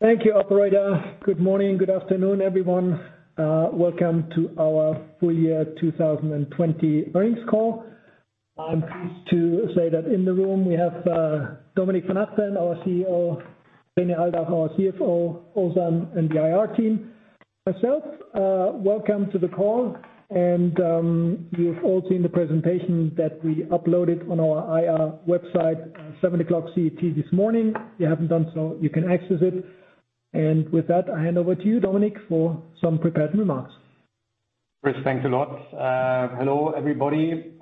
Thank you, operator. Good morning, good afternoon, everyone. Welcome to our Full-Year 2020 Earnings Call. I'm pleased to say that in the room we have, Dominik von Achten, our CEO, René Aldach, our CFO, Ozan and the IR team, myself. Welcome to the call. You've all seen the presentation that we uploaded on our IR website at 7:00 A.M. CET this morning. If you haven't done so, you can access it. With that, I hand over to you, Dominik, for some prepared remarks. Chris, thanks a lot. Hello, everybody.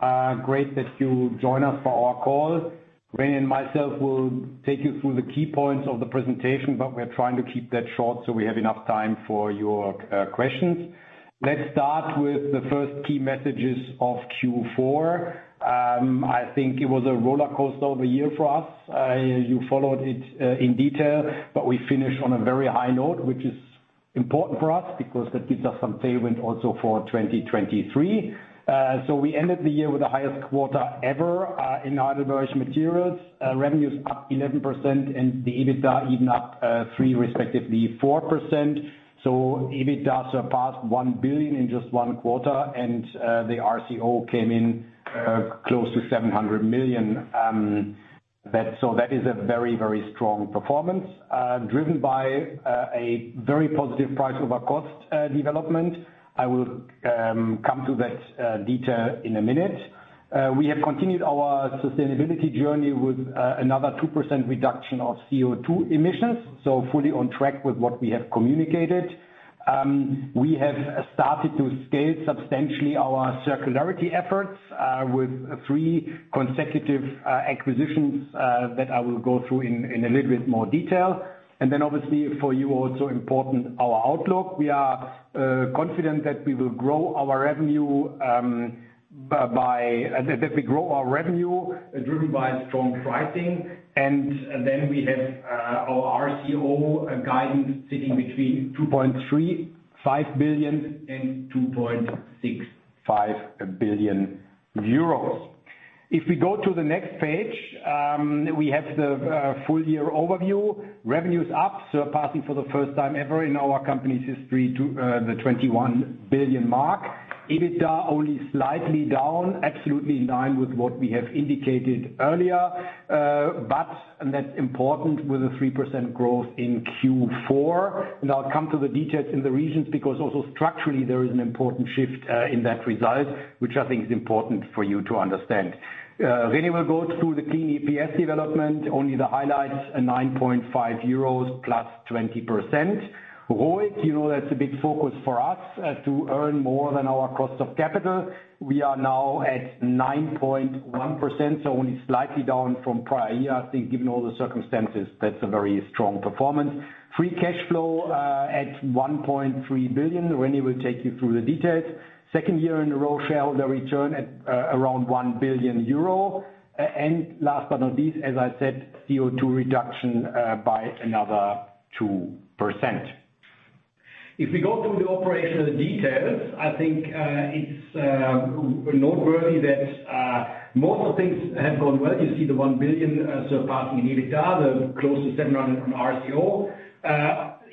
Great that you join us for our call. René and myself will take you through the key points of the presentation, but we're trying to keep that short so we have enough time for your questions. Let's start with the first key messages of Q4. I think it was a roller coaster of a year for us. You followed it in detail, but we finished on a very high note, which is important for us because that gives us some tailwind also for 2023. We ended the year with the highest quarter ever in Heidelberg Materials. Revenues up 11%, and the EBITDA even up 3%, respectively 4%. EBITDA surpassed 1 billion in just one quarter, and the RCO came in close to 700 million. That is a very, very strong performance, driven by a very positive price over cost development. I will come to that detail in a minute. We have continued our sustainability journey with another 2% reduction of CO2 emissions, so fully on track with what we have communicated. We have started to scale substantially our circularity efforts with three consecutive acquisitions that I will go through in a little bit more detail. Obviously for you also important our outlook. We are confident that we will grow our revenue driven by strong pricing. We have our RCO guidance sitting between 2.35 billion and 2.65 billion euros. If we go to the next page, we have the full year overview. Revenue's up, surpassing for the first time ever in our company's history to the 21 billion mark. EBITDA only slightly down, absolutely in line with what we have indicated earlier, and that's important, with a 3% growth in Q4. I'll come to the details in the regions because also structurally there is an important shift in that result, which I think is important for you to understand. René will go through the Clean EPS development. Only the highlights, 9.5 euros plus 20%. ROIC, you know that's a big focus for us, to earn more than our cost of capital. We are now at 9.1%, only slightly down from prior year. I think given all the circumstances, that's a very strong performance. Free cash flow at 1.3 billion. René will take you through the details. Second year in a row, shareholder return at around 1 billion euro. And last but not least, as I said, CO2 reduction by another 2%. If we go through the operational details, I think it's noteworthy that most of the things have gone well. You see the 1 billion surpassing in EBITDA, the close to 700 RCO.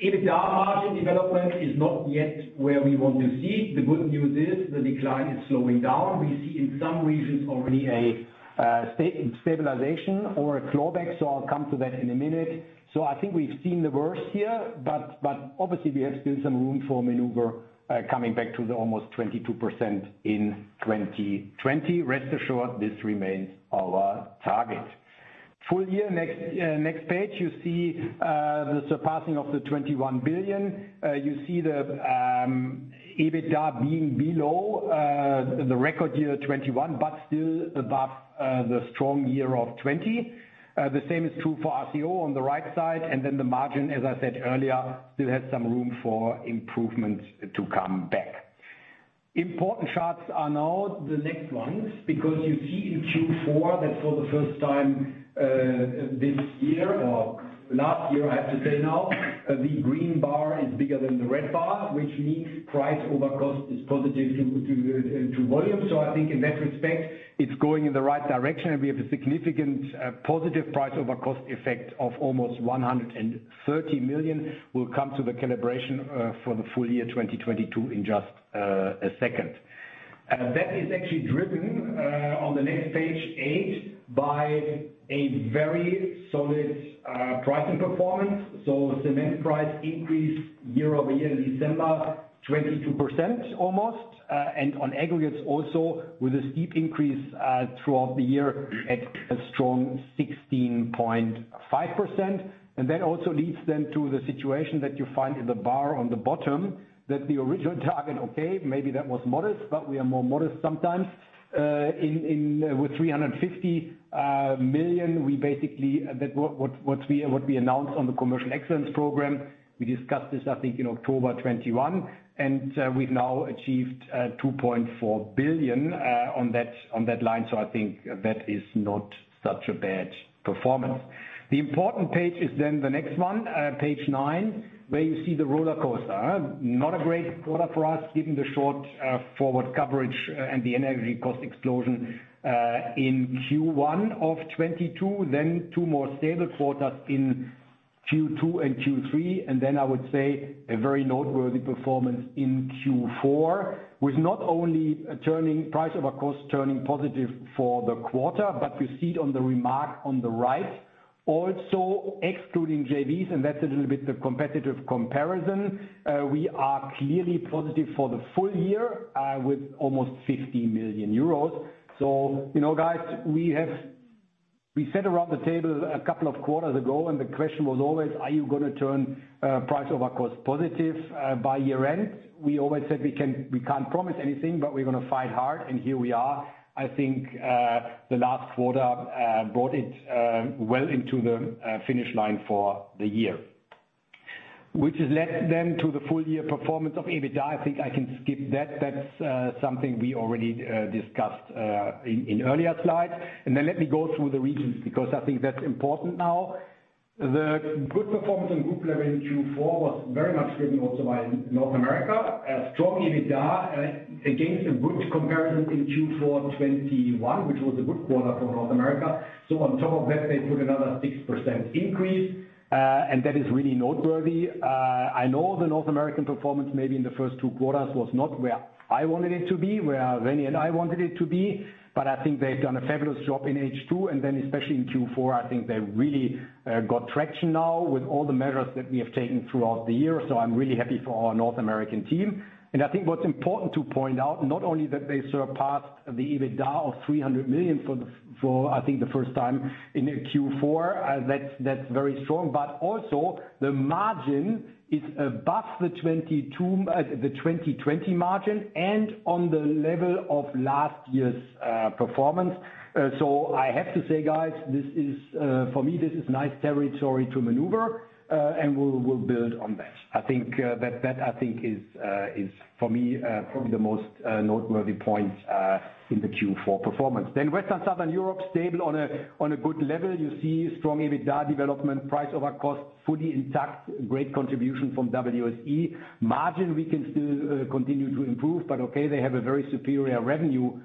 EBITDA margin development is not yet where we want to see it. The good news is the decline is slowing down. We see in some regions already a stabilization or a clawback, so I'll come to that in a minute. I think we've seen the worst here, but obviously we have still some room for maneuver, coming back to the almost 22% in 2020. Rest assured, this remains our target. Full year, next page, you see the surpassing of the 21 billion. You see the EBITDA being below the record year 2021, but still above the strong year of 2020. The same is true for RCO on the right side. The margin, as I said earlier, still has some room for improvement to come back. Important charts are now the next ones, because you see in Q4 that for the first time, this year or last year, I have to say now, the green bar is bigger the red bar, which means price over cost is positive to volume. I think in that respect, it's going in the right direction, and we have a significant positive price over cost effect of almost 130 million. We'll come to the calibration for the full year 2022 in just a second. That is actually driven on the next page, eight, by a very solid pricing performance. Cement price increased year-over-year in December, 22% almost, and on aggregates also with a steep increase throughout the year at a strong 16.5%. That also leads then to the situation that you find in the bar on the bottom, that the original target, okay, maybe that was modest, but we are more modest sometimes. With 350 million, what we announced on the Commercial Excellence Program, we discussed this I think in October 2021, we've now achieved 2.4 billion on that line. I think that is not such a bad performance. The important page is the next one, page nine, where you see the rollercoaster, huh? Not a great quarter for us, given the short forward coverage and the energy cost explosion in Q1 2022, two more stable quarters in Q2 and Q3, I would say a very noteworthy performance in Q4, with not only price over cost turning positive for the quarter, but you see it on the remark on the right. Also, excluding JVs, invested a little bit the competitive comparison, we are clearly positive for the full year with almost 50 million euros. You know, guys, We sat around the table a couple of quarters ago and the question was always, "Are you gonna turn price over cost positive by year-end?" We always said we can't promise anything, but we're gonna fight hard, and here we are. I think the last quarter brought it well into the finish line for the year. Which has led then to the full year performance of EBITDA. I think I can skip that. That's something we already discussed in earlier slides. Let me go through the regions, because I think that's important now. The good performance on group level in Q4 was very much driven also by North America. A strong EBITDA, against a good comparison in Q4 2021, which was a good quarter for North America. On top of that, they put another 6% increase, and that is really noteworthy. I know the North American performance maybe in the first two quarters was not where I wanted it to be, where René and I wanted it to be, but I think they've done a fabulous job in H2, and then especially in Q4, I think they really, got traction now with all the measures that we have taken throughout the year. I'm really happy for our North American team. I think what's important to point out, not only that they surpassed the EBITDA of 300 million for the first time in a Q4, that's very strong, but also the margin is above the 2022, the 2020 margin and on the level of last year's performance. I have to say, guys, this is for me, this is nice territory to maneuver, and we'll build on that. I think that I think is for me probably the most noteworthy point in the Q4 performance. Western Southern Europe, stable on a good level. You see strong EBITDA development, price over cost, fully intact, great contribution from WSE. Margin we can still continue to improve. Okay, they have a very superior revenue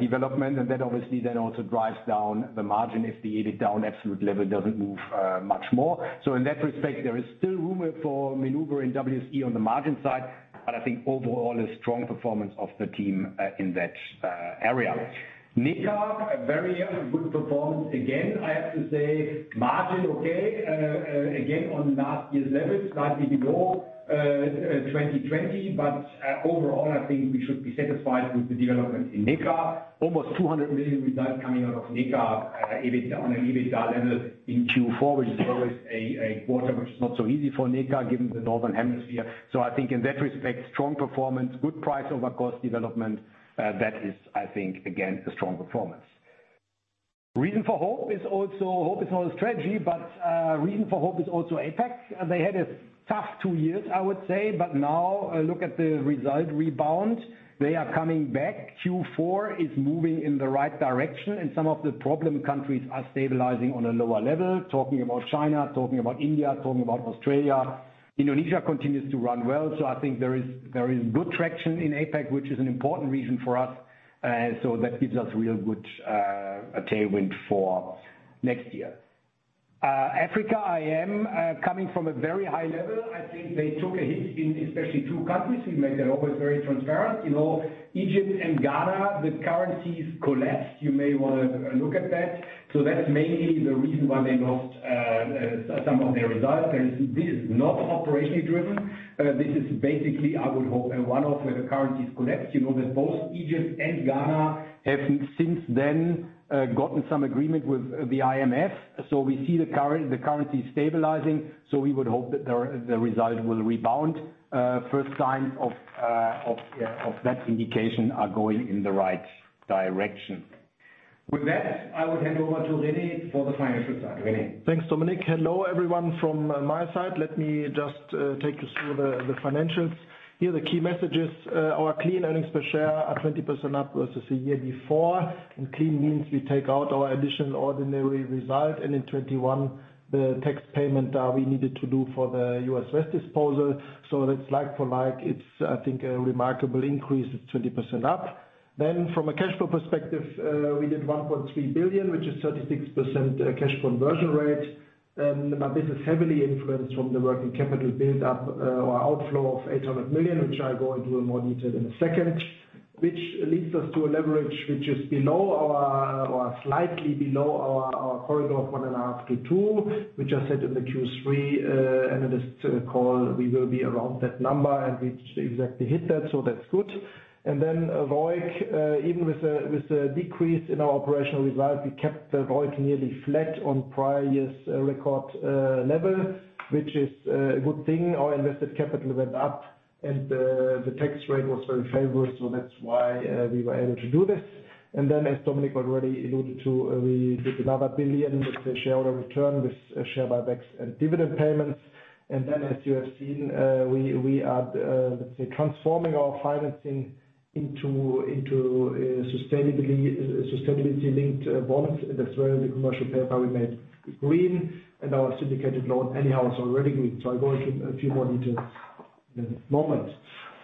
development, and that obviously then also drives down the margin if the EBITDA on absolute level doesn't move much more. In that respect, there is still room for maneuver in WSE on the margin side. I think overall a strong performance of the team in that area. NE-CA, a very good performance. Again, I have to say margin, okay, again, on last year's levels, slightly below 2020. Overall, I think we should be satisfied with the development in NE-CA. Almost 200 million results coming out of NE-CA on an EBITDA level in Q4, which is always a quarter which is not so easy for NE-CA given the Northern Hemisphere. I think in that respect, strong performance, good price over cost development, that is, I think, again, a strong performance. Reason for hope is also, hope is not a strategy, reason for hope is also APAC. They had a tough two years, I would say, now look at the result rebound. They are coming back. Q4 is moving in the right direction, some of the problem countries are stabilizing on a lower level. Talking about China, talking about India, talking about Australia. Indonesia continues to run well, I think there is good traction in APAC, which is an important region for us. That gives us real good a tailwind for next year. Africa, I am coming from a very high level. I think they took a hit in especially two countries. We make that always very transparent. You know, Egypt and Ghana, the currencies collapsed. You may wanna look at that. That's mainly the reason why they lost some of their results. This is not operationally driven. This is basically, I would hope, a one-off where the currencies collapsed. You know that both Egypt and Ghana have since then gotten some agreement with the IMF. We see the currency stabilizing, we would hope that their, the result will rebound. First signs of that indication are going in the right direction. With that, I will hand over to René for the financial side. René? Thanks, Dominik. Hello, everyone from my side. Let me just take you through the financials. Here, the key messages, our clean earnings per share are 20% up versus the year before. Clean means we take out our additional ordinary result and in 2021, the tax payment we needed to do for the U.S. West disposal. It's like-for-like, it's, I think, a remarkable increase. It's 20% up. From a cash flow perspective, we did 1.3 billion, which is 36% cash conversion rate. Now this is heavily influenced from the working capital build up or outflow of 800 million, which I'll go into in more detail in a second. Which leads us to a leverage which is below our, or slightly below our corridor of 1.5-2, which I said in the Q3 analyst call, we will be around that number, and we exactly hit that, so that's good. ROIC, even with a decrease in our operational result, we kept the ROIC nearly flat on prior year's record level, which is a good thing. Our invested capital went up and the tax rate was very favorable, so that's why we were able to do this. As Dominik already alluded to, we did another 1 billion with the shareholder return, with share buybacks and dividend payments. As you have seen, we are, let's say, transforming our financing into sustainability-linked bonds. That's where the commercial paper we made green and our syndicated loan anyhow is already green. I go into a few more details.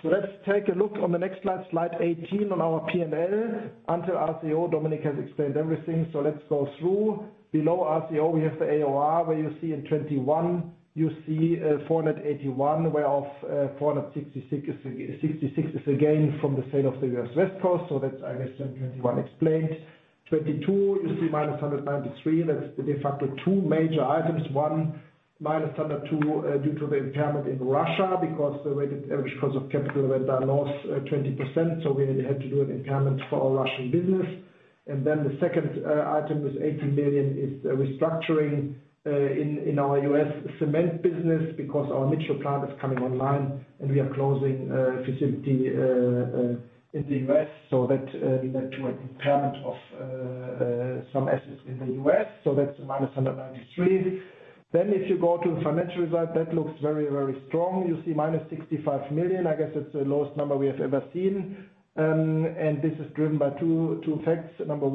Let's take a look on the next slide 18 on our P&L. Until RCO, Dominik has explained everything, let's go through. Below RCO, we have the AOR, where you see in 2021, you see $481, where of $466 is a gain from the sale of the U.S. West Coast, that's 2021 explained. 2022, you see -193. That's de facto two major items. One, -102, due to the impairment in Russia because the weighted average cost of capital went down loss 20%, we had to do an impairment for our Russian business. The second item is 80 million is restructuring in our U.S. cement business because our Mitchell plant is coming online and we are closing a facility in the U.S. so that led to an impairment of some assets in the U.S. That's -193. If you go to financial result, that looks very, very strong. You see -65 million. I guess it's the lowest number we have ever seen. This is driven by two effects. Number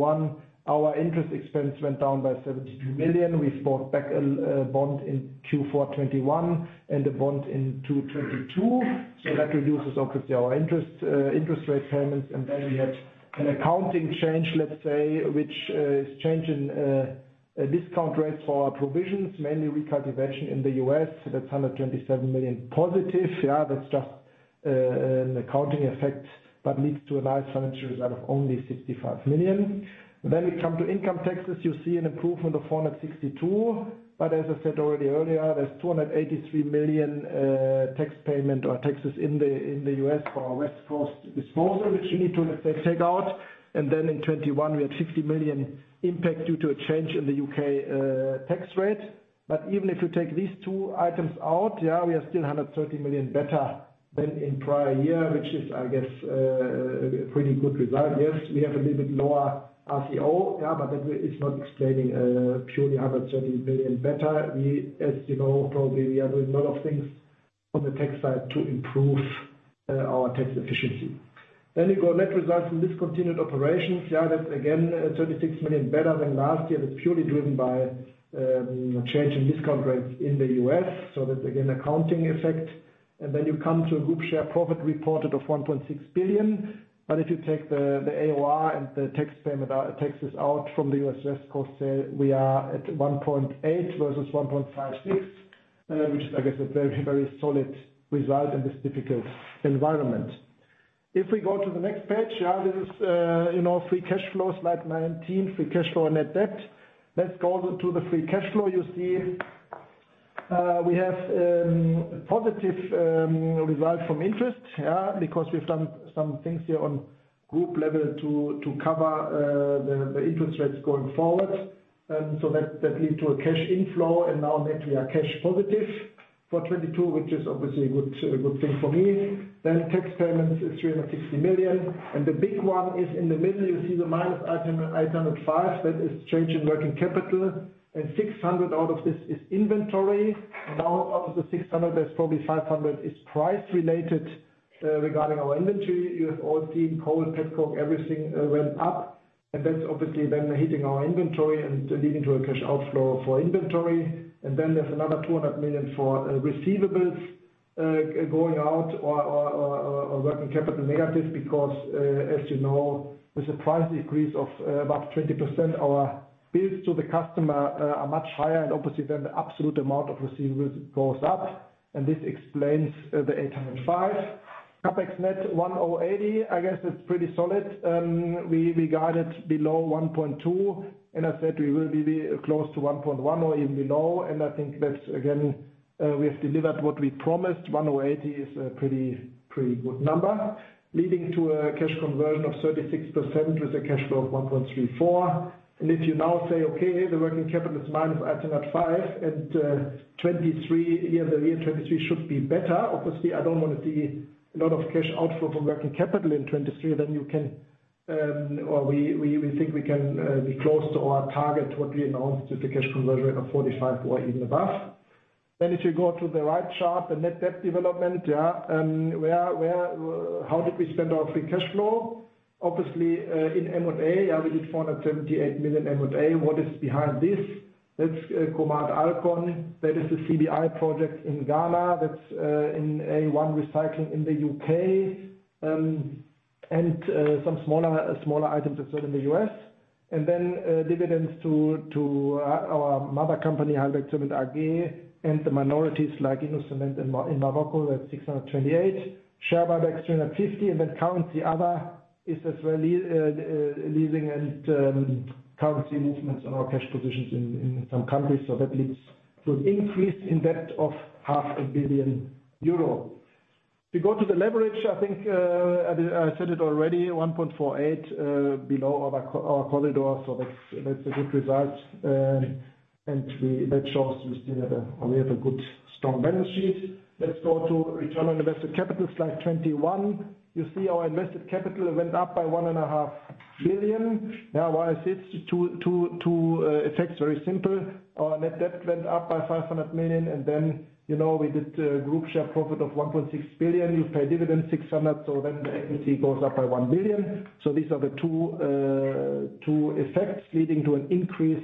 one, our interest expense went down by 72 million. We bought back a bond in Q4 2021 and a bond in 2022. That reduces obviously our interest rate payments. We had an accounting change, let's say, which is changing a discount rate for our provisions, mainly recultivation in the U.S. That's 127 million positive. Yeah, that's just an accounting effect, but leads to a nice financial result of only 65 million. We come to income taxes. You see an improvement of 462. As I said already earlier, there's $283 million tax payment or taxes in the U.S. for our West Coast disposal, which we need to, let's say, take out. In 2021 we had 50 million impact due to a change in the U.K. tax rate. Even if you take these two items out, yeah, we are still 130 million better than in prior year, which is, I guess, a pretty good result. We have a little bit lower RCO. That is not explaining purely 130 million better. We, as you know, probably we are doing a lot of things on the tax side to improve our tax efficiency. You go net results from discontinued operations. That's again, 36 million better than last year. That's purely driven by change in discount rates in the U.S. That's again, accounting effect. You come to a group share profit reported of 1.6 billion. If you take the AOR and the tax payment, taxes out from the U.S. West Coast sale, we are at 1.8 billion versus 1.56 billion, which is I guess a very, very solid result in this difficult environment. If we go to the next page, yeah, this is, you know, free cash flow, slide 19, free cash flow and net debt. Let's go to the free cash flow. You see, we have positive result from interest, yeah, because we've done some things here on group level to cover the interest rates going forward. That lead to a cash inflow and now net we are cash positive for 2022, which is obviously a good thing for me. Tax payments is 360 million. The big one is in the middle, you see the minus item 805. That is change in working capital. 600 out of this is inventory. Out of the 600, there's probably 500 is price related regarding our inventory. You have all seen coal, petcoke, everything went up. That's obviously then hitting our inventory and leading to a cash outflow for inventory. There's another 200 million for receivables going out or working capital negative because, as you know, with the price increase of about 20%, our bills to the customer are much higher and obviously the absolute amount of receivables goes up. This explains the 805. CapEx net 1,080. I guess that's pretty solid. We guided below 1.2, I said we will be close to 1.1 or even below. I think that's again, we have delivered what we promised. 1,080 is a pretty good number. Leading to a cash conversion of 36% with a cash flow of 1.34. If you now say, okay, the working capital is minus item at five and 2023, yeah, the year 2023 should be better. Obviously, I don't wanna see a lot of cash outflow from working capital in 2023, then you can, or we think we can be close to our target what we announced with the cash conversion rate of 45% or even above. If you go to the right chart, the net debt development, yeah, where how did we spend our free cash flow? Obviously, in M&A, yeah, we did 478 million M&A. What is behind this? That's Command Alkon. That is the CBI project in Ghana. That's in A1 Recycling in the U.K. Some smaller items that's in the U.S. Dividends to our mother company, HeidelbergCement AG, and the minorities like Ciments du Maroc, that's 628. Share buybacks, 350. Currency other is as well leaving and currency movements on our cash positions in some countries. That leads to an increase in debt of 500 million euro. We go to the leverage. I said it already, 1.48 below our corridor, that's a good result. That shows we still have a good strong balance sheet. Let's go to return on invested capital, slide 21. You see our invested capital went up by 1.5 billion. Why is this? Two effects, very simple. Our net debt went up by 500 million, you know, we did a group share profit of 1.6 billion. You pay dividend 600, the EC goes up by 1 billion. These are the two effects leading to an increase.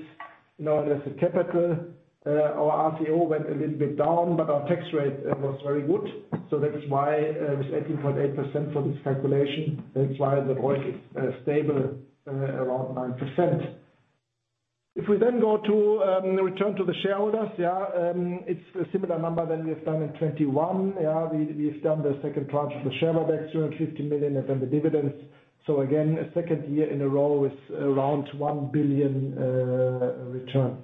Now there's the capital, our RCO went a little bit down, our tax rate was very good. That's why this 18.8% for this calculation, that's why the ROIC is stable around 9%. Return to the shareholders, it's a similar number than we have done in 2021. We have done the second tranche of the share buyback, 250 million, the dividends. Again, a second year in a row with around 1 billion return.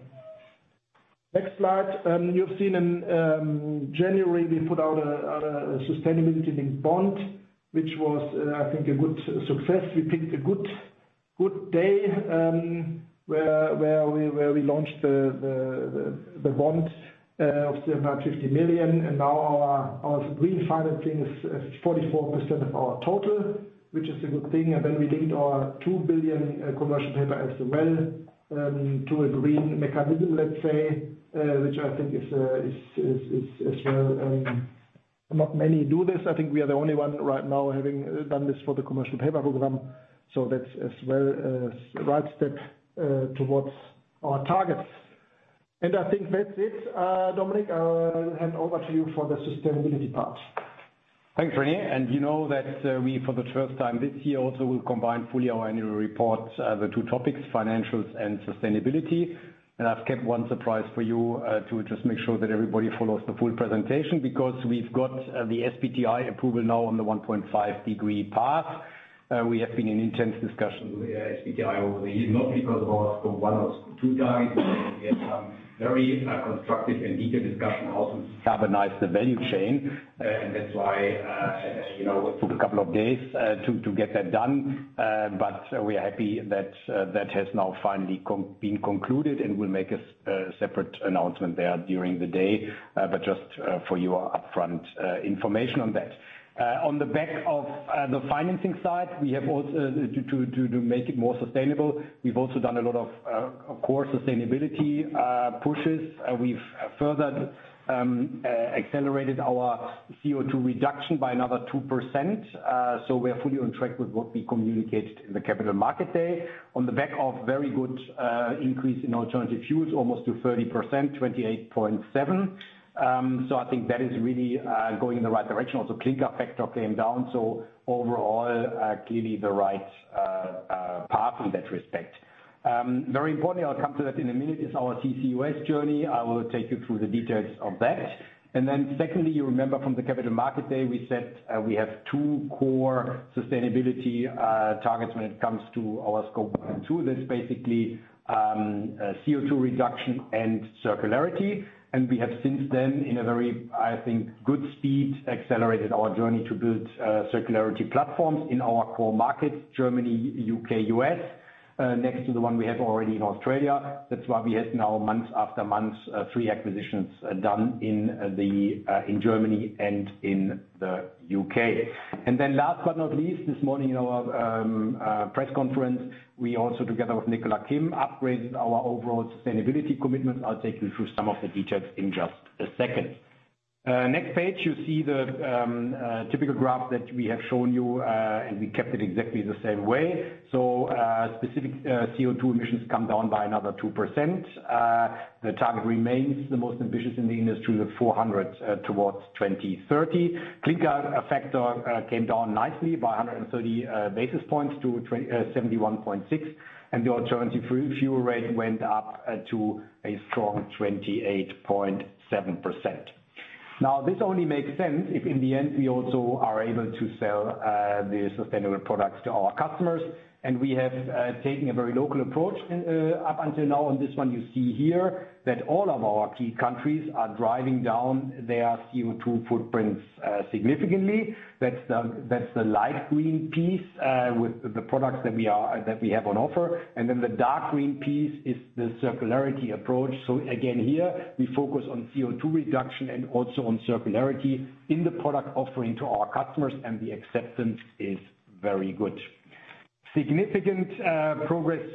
Next slide. You've seen in January we put out a sustainability-linked bond, which was I think a good success. We picked a good day where we launched the bond of 750 million. Now our green financing is 44% of our total, which is a good thing. We linked our 2 billion commercial paper as well to a green mechanism, let's say, which I think is as well not many do this. I think we are the only one right now having done this for the commercial paper program. That's as well a right step towards our targets. I think that's it, Dominik, I'll hand over to you for the sustainability part. Thanks, René. You know that we, for the first time this year also will combine fully our annual report, the two topics, financials and sustainability. I've kept one surprise for you, to just make sure that everybody follows the full presentation, because we've got the SBTI approval now on the 1.5 degree path. We have been in intense discussion with SBTI over the years, not because of our Scope 1 or 2 targets, we had some very constructive and detailed discussion how to decarbonize the value chain. That's why, you know, it took a couple of days to get that done. We are happy that that has now finally been concluded, and we'll make a separate announcement there during the day. Just for your upfront information on that. On the back of the financing side, to make it more sustainable, we've also done a lot of core sustainability pushes. We've further accelerated our CO2 reduction by another 2%. We are fully on track with what we communicated in the Capital Market Day. On the back of very good increase in alternative fuels, almost to 30%, 28.7%. I think that is really going in the right direction. Also clinker factor came down. Overall, clearly the right path in that respect. Very importantly, I'll come to that in a minute, is our CCUS journey. I will take you through the details of that. Secondly, you remember from the Capital Markets Day, we said, we have two core sustainability targets when it comes to our scope one and two. That's basically CO2 reduction and circularity. We have since then, in a very, I think, good speed, accelerated our journey to build circularity platforms in our core markets, Germany, U.K., U.S., next to the one we have already in Australia. That's why we had now month after month, three acquisitions done in Germany and in the U.K. Last but not least, this morning in our press conference, we also, together with Nicola Kimm, upgraded our overall sustainability commitment. I'll take you through some of the details in just a second. Next page, you see the typical graph that we have shown you, and we kept it exactly the same way. Specific CO2 emissions come down by another 2%. The target remains the most ambitious in the industry, the 400 towards 2030. Clinker factor came down nicely by 130 basis points to 71.6. The alternative fuel rate went up to a strong 28.7%. Now, this only makes sense if in the end, we also are able to sell the sustainable products to our customers. We have taken a very local approach. Up until now, on this one, you see here that all of our key countries are driving down their CO2 footprints significantly. That's the light green piece with the products that we have on offer. The dark green piece is the circularity approach. Again, here we focus on CO2 reduction and also on circularity in the product offering to our customers, and the acceptance is very good. Significant progress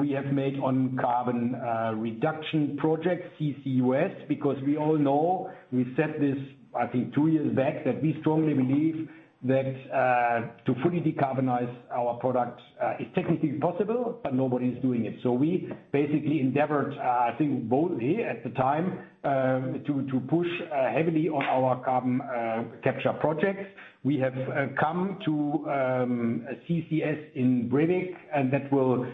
we have made on carbon reduction projects, CCU.S., because we all know we said this, I think two years back, that we strongly believe that to fully decarbonize our products is technically possible, but nobody's doing it. We basically endeavored, I think boldly at the time, to push heavily on our carbon capture projects. We have come to CCS in Brevik. That will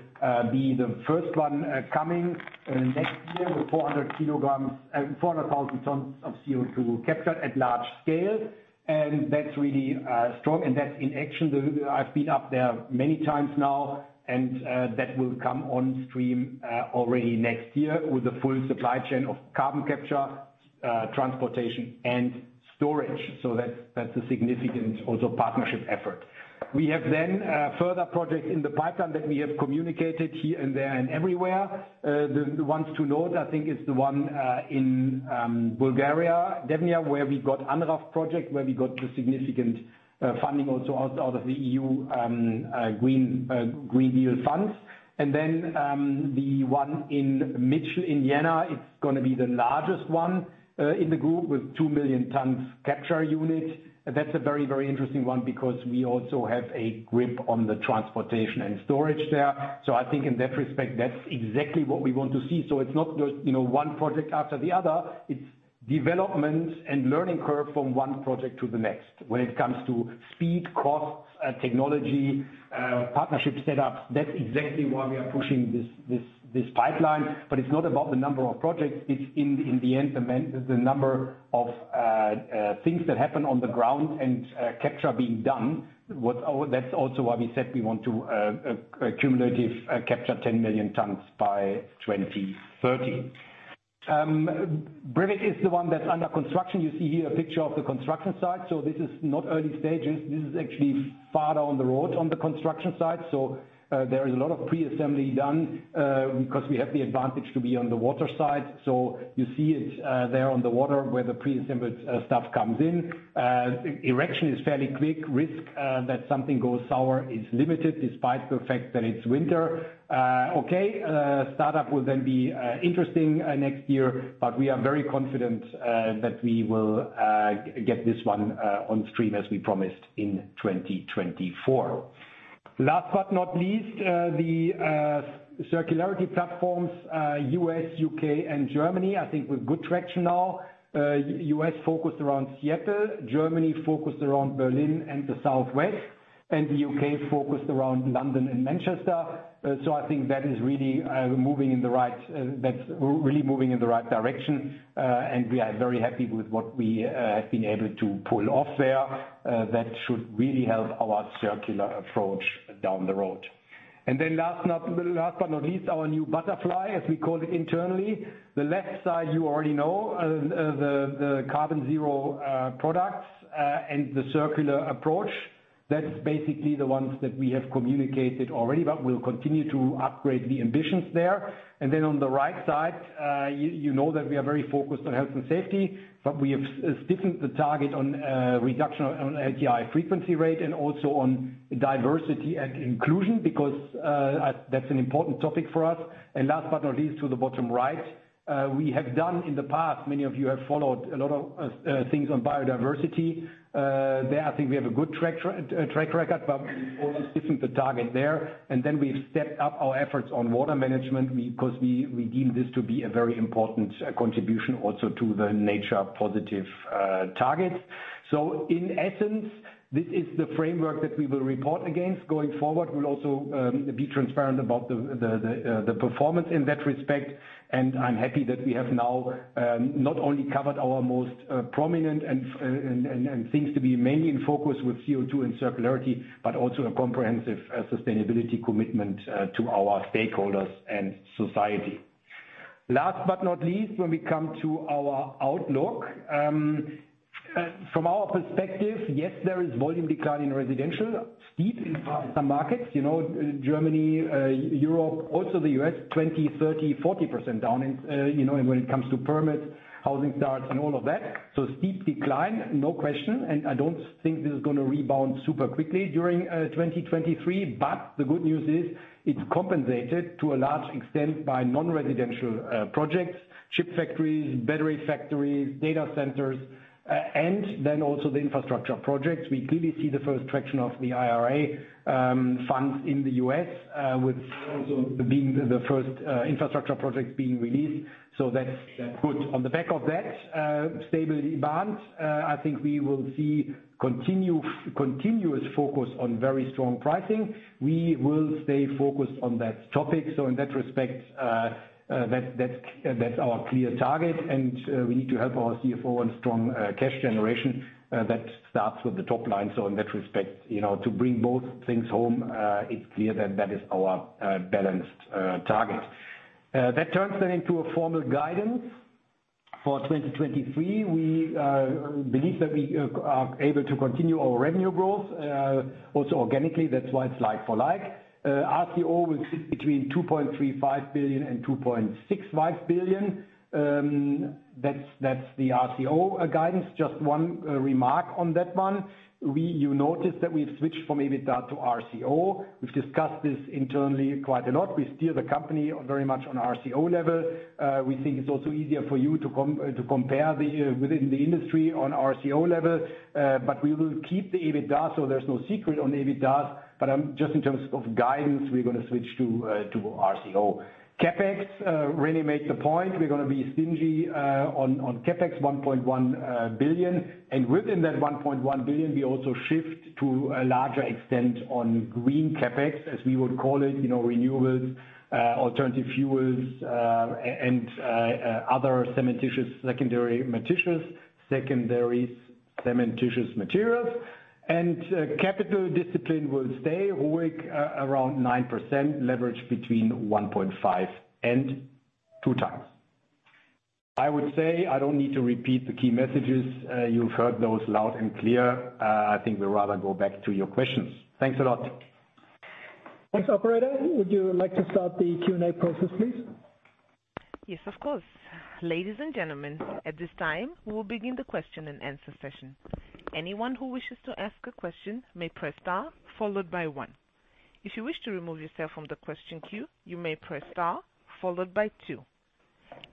be the first one coming next year with 400,000 tons of CO2 captured at large scale. That's really strong and that's in action. I've been up there many times now. That will come on stream already next year with a full supply chain of carbon capture, transportation and storage. That's, that's a significant also partnership effort. We have further projects in the pipeline that we have communicated here and there and everywhere. The ones to note, I think, is the one in Bulgaria, Devnya, where we got ANRAV project, where we got the significant funding also out of the EU Green Deal funds. Then, the one in Mitchell, Indiana, it's gonna be the largest one in the group with 2 million tons capture unit. That's a very, very interesting one because we also have a grip on the transportation and storage there. I think in that respect, that's exactly what we want to see. It's not just, you know, one project after the other. It's development and learning curve from one project to the next when it comes to speed, costs, technology, partnership set up. That's exactly why we are pushing this pipeline. It's not about the number of projects. It's in the end, the number of things that happen on the ground and capture being done. That's also why we said we want to capture 10 million tons by 2030. Brevik is the one that's under construction. You see here a picture of the construction site. This is not early stages. This is actually farther on the road on the construction site. There is a lot of pre-assembly done because we have the advantage to be on the water side. You see it there on the water where the pre-assembled stuff comes in. Erection is fairly quick. Risk that something goes sour is limited despite the fact that it's winter. Okay. Start-up will then be interesting next year, but we are very confident that we will get this one on stream as we promised in 2024. Last but not least, the circularity platforms, U.S., U.K., and Germany, I think with good traction now. U.S. focused around Seattle, Germany focused around Berlin and the Southwest, and the U.K. focused around London and Manchester. I think that is really moving in the right direction, and we are very happy with what we have been able to pull off there. That should really help our circular approach down the road. Last but not least, our new butterfly, as we call it internally. The left side, you already know, the carbon-zero products, and the circular approach. That's basically the ones that we have communicated already, but will continue to upgrade the ambitions there. On the right side, you know that we are very focused on health and safety, but we have stiffened the target on reduction on LTI frequency rate and also on diversity and inclusion because that's an important topic for us. Last but not least, to the bottom right, we have done in the past, many of you have followed a lot of things on biodiversity. There, I think we have a good track record, but we've also stiffened the target there. We've stepped up our efforts on water management because we deem this to be a very important contribution also to the nature positive targets. In essence, this is the framework that we will report against. Going forward, we'll also be transparent about the performance in that respect. I'm happy that we have now not only covered our most prominent and things to be mainly in focus with CO2 and circularity, but also a comprehensive sustainability commitment to our stakeholders and society. Last but not least, when we come to our outlook, from our perspective, yes, there is volume decline in residential. Steep in some markets, you know, Germany, Europe, also the U.S., 20%, 30%, 40% down in, you know, when it comes to permits, housing starts, and all of that. Steep decline, no question, and I don't think this is gonna rebound super quickly during 2023. The good news is it's compensated to a large extent by non-residential projects, chip factories, battery factories, data centers, the infrastructure projects. We clearly see the first traction of the IRA funds in the U.S., with also being the first infrastructure project being released. That's, that's good. On the back of that, stable EBITDA, I think we will see continuous focus on very strong pricing. We will stay focused on that topic. In that respect, that's our clear target, we need to help our CFO on strong cash generation that starts with the top line. In that respect, you know, to bring both things home, it's clear that that is our balanced target. That turns into a formal guidance for 2023. We believe that we are able to continue our revenue growth also organically. That's why it's like for like. RCO will sit between 2.35 billion and 2.65 billion. That's the RCO guidance. Just one remark on that one. You notice that we've switched from EBITDA to RCO. We've discussed this internally quite a lot. We steer the company very much on RCO level. We think it's also easier for you to compare the within the industry on RCO level. We will keep the EBITDA, so there's no secret on EBITDA. Just in terms of guidance, we're gonna switch to RCO. CapEx really makes a point. We're gonna be stingy on CapEx, 1.1 billion. Within that 1.1 billion, we also shift to a larger extent on green CapEx, as we would call it, you know, renewables, alternative fuels, and other secondary cementitious materials. Capital discipline will stay around 9%, leverage between 1.5x and 2x. I would say I don't need to repeat the key messages. You've heard those loud and clear. I think we'll rather go back to your questions. Thanks a lot. Thanks. Operator, would you like to start the Q&A process, please? Yes, of course. Ladies and gentlemen, at this time, we will begin the question-and-answer session. Anyone who wishes to ask a question may press star followed by one. If you wish to remove yourself from the question queue, you may press star followed by two.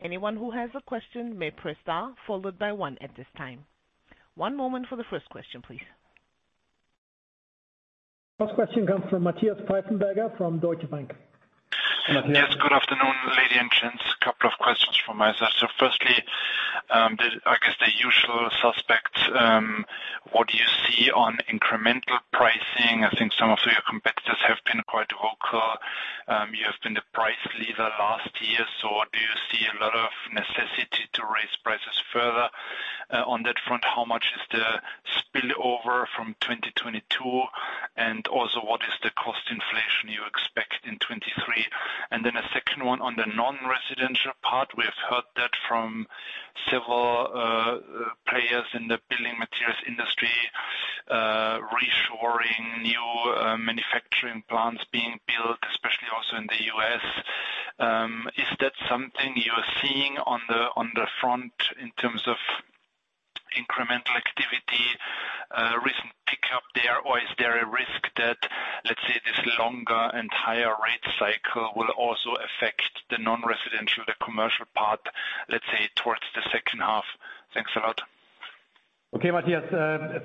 Anyone who has a question may press star followed by one at this time. One moment for the first question, please. First question comes from Matthias Pfeifenberger from Deutsche Bank. Yes, good afternoon, lady and gents. A couple of questions from my side. Firstly, I guess the usual suspects, what do you see on incremental pricing? I think some of your competitors have been quite vocal. You have been the price leader last year. Do you see a lot of necessity to raise prices further on that front? How much is the spillover from 2022? And also what is the cost inflation you expect in 2023? A second one on the non-residential part. We have heard that from several players in the building materials industry, reshoring new manufacturing plants being built, especially also in the U.S. Is that something you're seeing on the front in terms of incremental activity, recent pickup there? Is there a risk that, let's say, this longer and higher rate cycle will also affect the non-residential, the commercial part, let's say towards the second half? Thanks a lot. Okay, Matthias,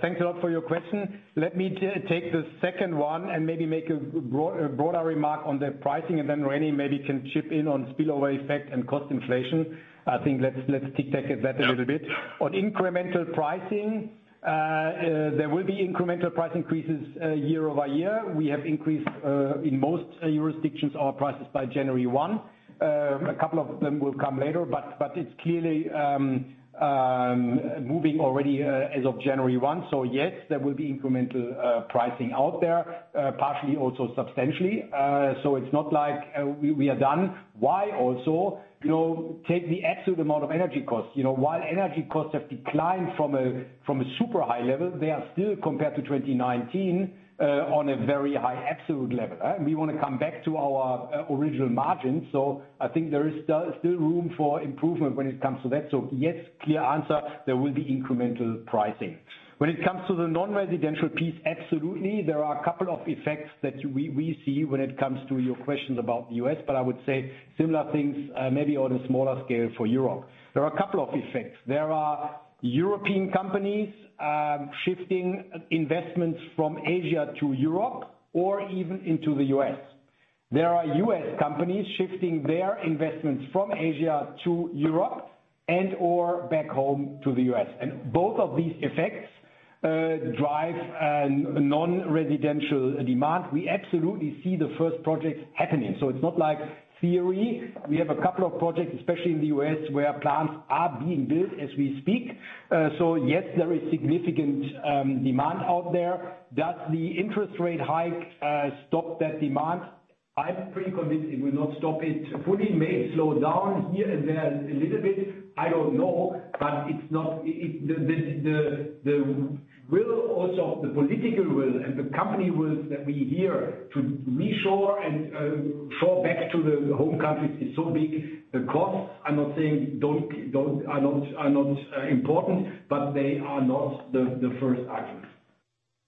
thanks a lot for your question. Let me take the second one and maybe make a broader remark on the pricing and then René maybe can chip in on spillover effect and cost inflation. I think let's tic-tac at that a little bit. On incremental pricing, there will be incremental price increases year-over-year. We have increased in most jurisdictions our prices by January 1. A couple of them will come later, but it's clearly moving already as of January 1. Yes, there will be incremental pricing out there, partially also substantially. It's not like we are done. Why also, you know, take the absolute amount of energy costs. You know, while energy costs have declined from a super high level, they are still compared to 2019, on a very high absolute level. We want to come back to our original margins. I think there is still room for improvement when it comes to that. Yes, clear answer, there will be incremental pricing. When it comes to the non-residential piece, absolutely. There are a couple of effects that we see when it comes to your question about the U.S. I would say similar things, maybe on a smaller scale for Europe. There are a couple of effects. There are European companies shifting investments from Asia to Europe or even into the U.S. There are U.S. companies shifting their investments from Asia to Europe and/or back home to the U.S. Both of these effects drive non-residential demand. We absolutely see the first projects happening. It's not like theory. We have a couple of projects, especially in the U.S., where plants are being built as we speak. Yes, there is significant demand out there. Does the interest rate hike stop that demand? I'm pretty convinced it will not stop it. Fully may slow down here and there a little bit. I don't know. It's not the will also, the political will and the company wills that we hear to reshore and shore back to the home countries is so big. The costs, I'm not saying are not important, they are not the first item.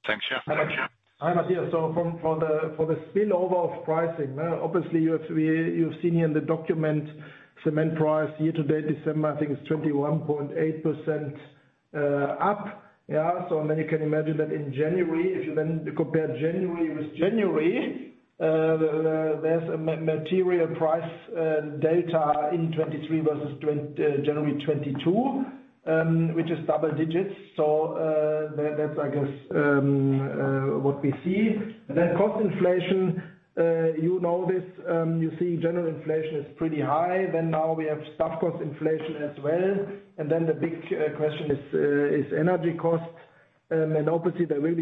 Thanks, yeah. Hi, Matthias. From the spillover of pricing, obviously you've seen here in the document cement price year to date, December, I think it's 21.8% up. You can imagine that in January, if you compare January with January, there's a material price delta in 2023 versus January 2022, which is double digits. That's I guess what we see. The cost inflation, you know this, you see general inflation is pretty high. Now we have stock cost inflation as well. The big question is energy costs. Obviously there will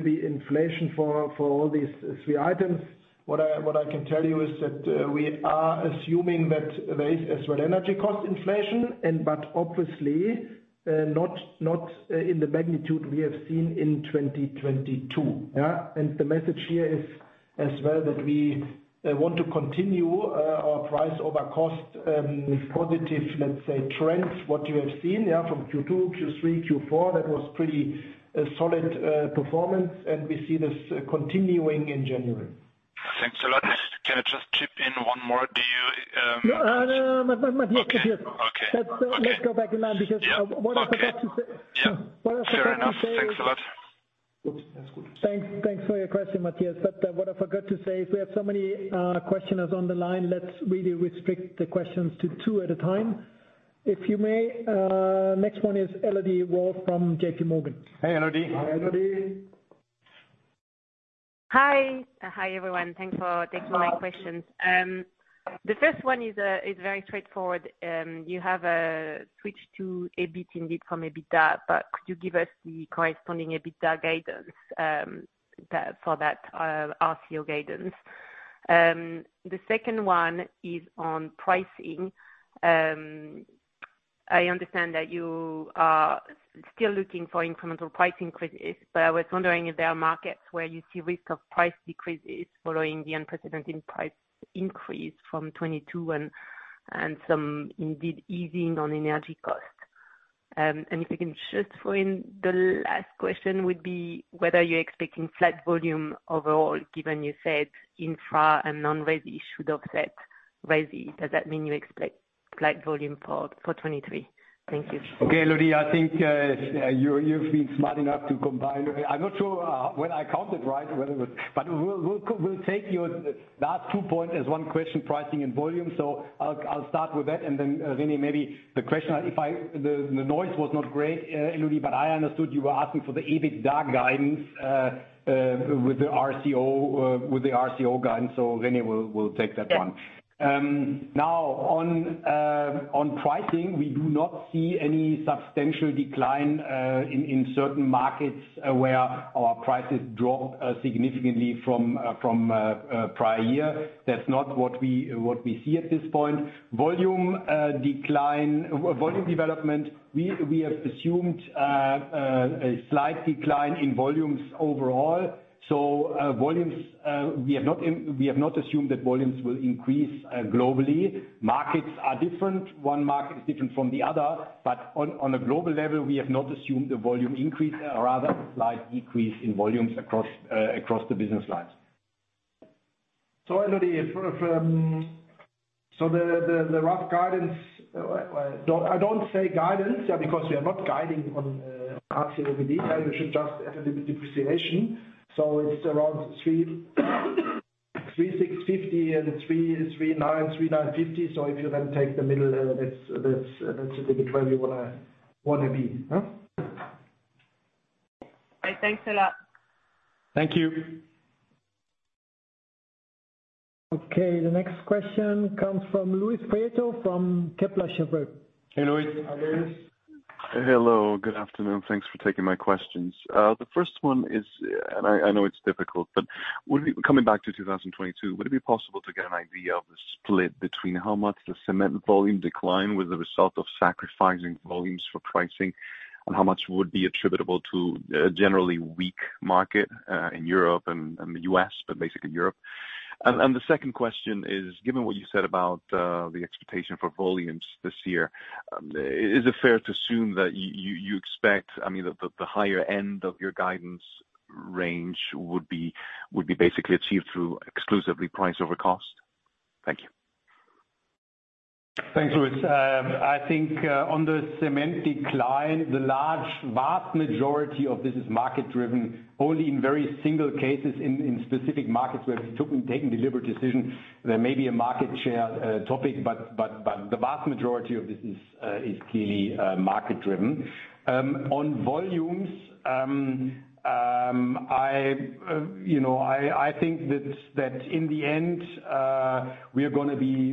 be inflation for all these three items. What I can tell you is that we are assuming that there is as well energy cost inflation but obviously, not in the magnitude we have seen in 2022. The message here is as well that we want to continue our price over cost positive, let's say trends, what you have seen from Q2, Q3, Q4, that was pretty solid performance, and we see this continuing in January. Thanks a lot. Can I just chip in one more? No, no, Matthias. Okay. Let's go back in line because, what I forgot to say- Yeah. Okay. Yeah. What I forgot to say. Fair enough. Thanks a lot. Good. That's good. Thanks for your question, Matthias. What I forgot to say is we have so many questioners on the line. Let's really restrict the questions to 2 at a time. If you may, next one is Elodie Rall from JPMorgan. Hey, Elodie. Hi, Elodie. Hi, everyone. Thanks for taking my questions. The first one is very straightforward. You have switched to EBIT indeed from EBITDA, but could you give us the corresponding EBITDA guidance for that RCO guidance? The second one is on pricing. I understand that you are still looking for incremental price increases, but I was wondering if there are markets where you see risk of price decreases following the unprecedented price increase from 2022 and some indeed easing on energy costs. If you can just throw in the last question would be whether you're expecting flat volume overall, given you said infra and non-resi should offset. Does that mean you expect slight volume for 2023? Thank you. Okay, Elodie, I think, you've been smart enough to combine. I'm not sure whether I counted right, but we'll take your last two point as one question, pricing and volume. I'll start with that, and then, René, maybe the question, the noise was not great, Elodie, but I understood you were asking for the EBITDA guidance with the RCO guidance. René will take that one. On pricing, we do not see any substantial decline in certain markets where our prices dropped significantly from prior year. That's not what we see at this point. Volume development, we have assumed a slight decline in volumes overall. Volumes, we have not assumed that volumes will increase globally. Markets are different. One market is different from the other, but on a global level, we have not assumed a volume increase, rather a slight decrease in volumes across the business lines. Elodie, in front of the rough guidance, I don't say guidance, yeah, because we are not guiding on RCO with detail. We should just add a little bit depreciation. It's around 360 and 395. If you then take the middle, that's the bit where you wanna be. Huh? Thanks a lot. Thank you. Okay, the next question comes from Luis Prieto from Kepler Cheuvreux. Hey, Luis. Hi, Luis. Hello, good afternoon. Thanks for taking my questions. The first one is, I know it's difficult, but coming back to 2022, would it be possible to get an idea of the split between how much the cement volume declined was a result of sacrificing volumes for pricing and how much would be attributable to a generally weak market in Europe and the U.S., but basically Europe. The second question is, given what you said about the expectation for volumes this year, is it fair to assume that you expect, I mean, the higher end of your guidance range would be basically achieved through exclusively price over cost? Thank you. Thanks, Luis. I think on the cement decline, the large, vast majority of this is market driven, only in very single cases in specific markets where we took and taken deliberate decision. There may be a market share topic, but the vast majority of this is clearly market driven. On volumes, I you know, I think that in the end, we are gonna be...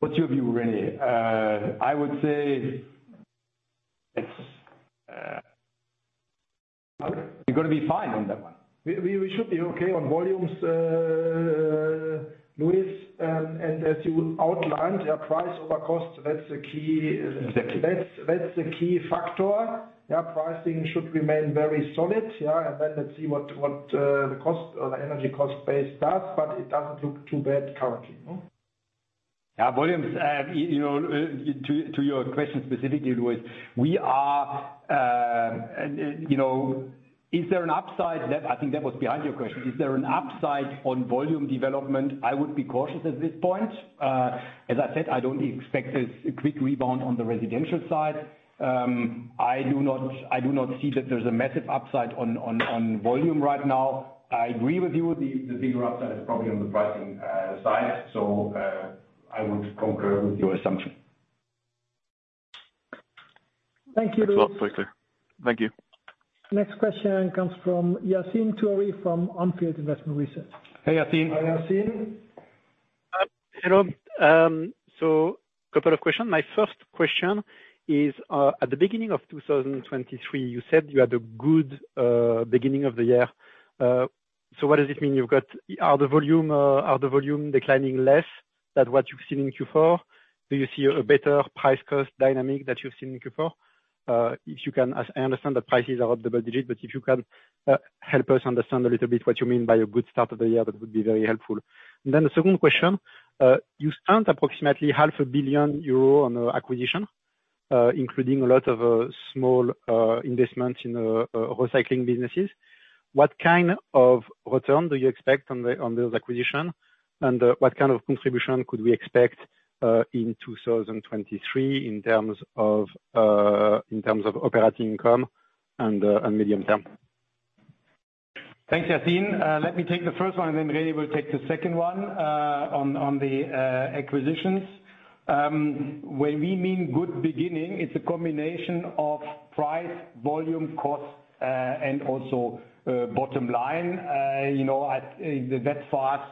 What's your view, René? I would say it's... We're gonna be fine on that one. We should be okay on volumes, Luis, as you outlined, yeah, price over cost, that's the key. Exactly. That's the key factor. Yeah, pricing should remain very solid, yeah? Then let's see what the cost or the energy cost base does, but it doesn't look too bad currently, no? Yeah, volumes, you know, to your question specifically, Luis, we are, you know. Is there an upside? I think that was behind your question. Is there an upside on volume development? I would be cautious at this point. As I said, I don't expect a quick rebound on the residential side. I do not see that there's a massive upside on volume right now. I agree with you. The bigger upside is probably on the pricing side. I would concur with your assumption. Thank you, Luis. Thanks a lot. Thank you. Next question comes from Yassine Touahri from On Field Investment Research. Hey, Yassine. Hi, Yassine. Hello. Couple of questions. My first question is, at the beginning of 2023, you said you had a good beginning of the year. What does it mean? Are the volume declining less than what you've seen in Q4? Do you see a better price cost dynamic that you've seen in Q4? If you can, as I understand, the prices are up double digit, but if you can, help us understand a little bit what you mean by a good start of the year, that would be very helpful. The second question. You spent approximately 500 million euro on acquisition, including a lot of small investments in recycling businesses. What kind of return do you expect on those acquisition? What kind of contribution could we expect in 2023 in terms of operating income and medium term? Thanks, Yassine. Let me take the first one, and then René will take the second one on the acquisitions. When we mean good beginning, it's a combination of price, volume, cost, and also bottom line. You know, at that for us,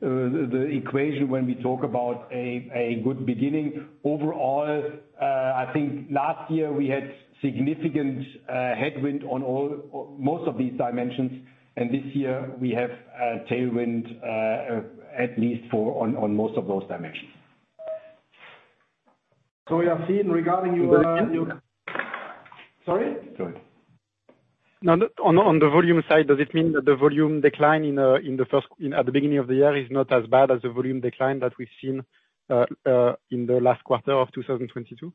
the equation when we talk about a good beginning. Overall, I think last year we had significant headwind on all most of these dimensions. This year we have tailwind at least for on most of those dimensions. Yassine, regarding Does it mean- Sorry? Sorry. On the volume side, does it mean that the volume decline in at the beginning of the year is not as bad as the volume decline that we've seen in the last quarter of 2022?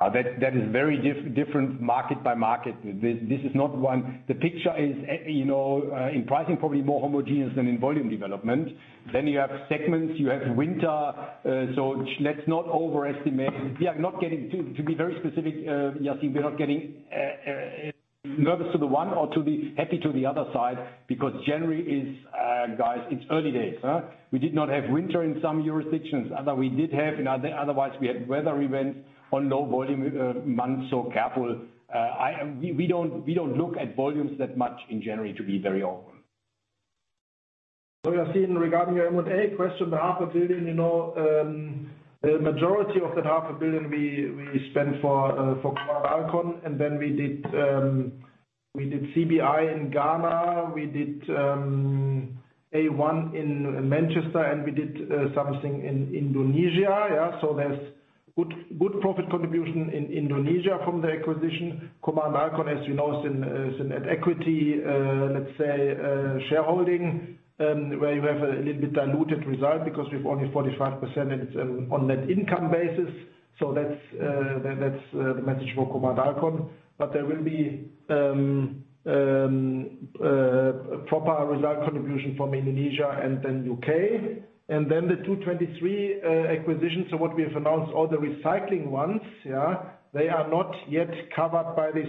That is very different market by market. This is not one. The picture is, you know, in pricing probably more homogeneous than in volume development. You have segments, you have winter. Let's not overestimate. To be very specific, Yassine, we are not getting nervous to the one or happy to the other side, because January is, guys, it's early days, huh? We did not have winter in some jurisdictions. Other, we did have, otherwise we had weather events on low volume months. Careful. I, we don't look at volumes that much in January, to be very open. Yassine, regarding your M&A question, the 500 million, you know, the majority of that 500 million we spent for Command Alkon. We did CBI in Ghana, we did A1 in Manchester, we did something in Indonesia, yeah? There's good profit contribution in Indonesia from the acquisition. Command Alkon, as you know, is in an equity, let's say, shareholding, where you have a little bit diluted result because we have only 45% and it's on net income basis. That's the message for Command Alkon. There will be proper result contribution from Indonesia, U.K. The 2023 acquisitions, what we have announced, all the recycling ones, they are not yet covered by this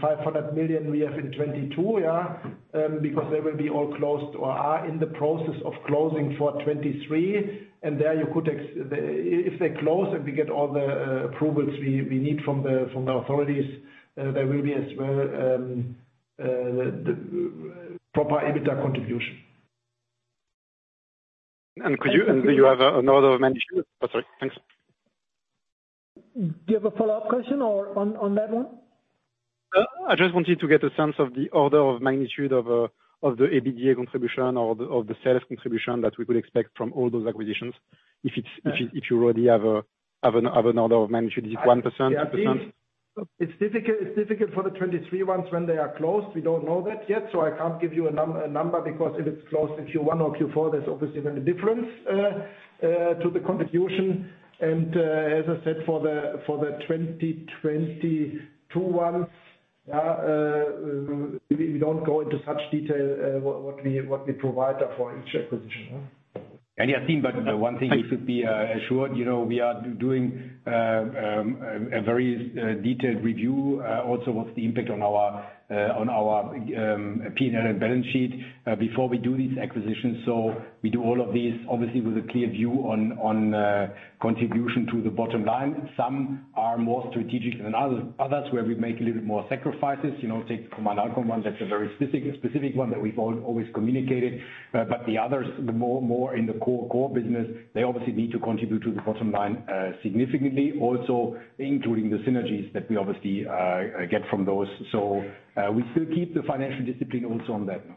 500 million we have in 2022, because they will be all closed or are in the process of closing for 2023. If they close and we get all the approvals we need from the authorities, there will be as well the proper EBITDA contribution. could you- And- Do you have an order of magnitude? Oh, sorry. Thanks. Do you have a follow-up question or on that one? I just wanted to get a sense of the order of magnitude of the EBITDA contribution or the, or the sales contribution that we could expect from all those acquisitions. Yeah. If you already have an order of magnitude. Is it 1%, 2%? Yassine, it's difficult, it's difficult for the 23 ones when they are closed. We don't know that yet, so I can't give you a number because if it's closed in Q1 or Q4, there's obviously then a difference to the contribution. As I said, for the 2022 ones, we don't go into such detail, what we provide there for each acquisition, huh? Yassine, but the one thing you should be assured, you know, we are doing a very detailed review, also what's the impact on our on our P&L and balance sheet before we do these acquisitions. We do all of these obviously with a clear view on contribution to the bottom line. Some are more strategic than others, where we make a little bit more sacrifices. You know, take Command Alkon one, that's a very specific one that we've always communicated. But the others, more in the core business, they obviously need to contribute to the bottom line significantly, also including the synergies that we obviously get from those. We still keep the financial discipline also on that one.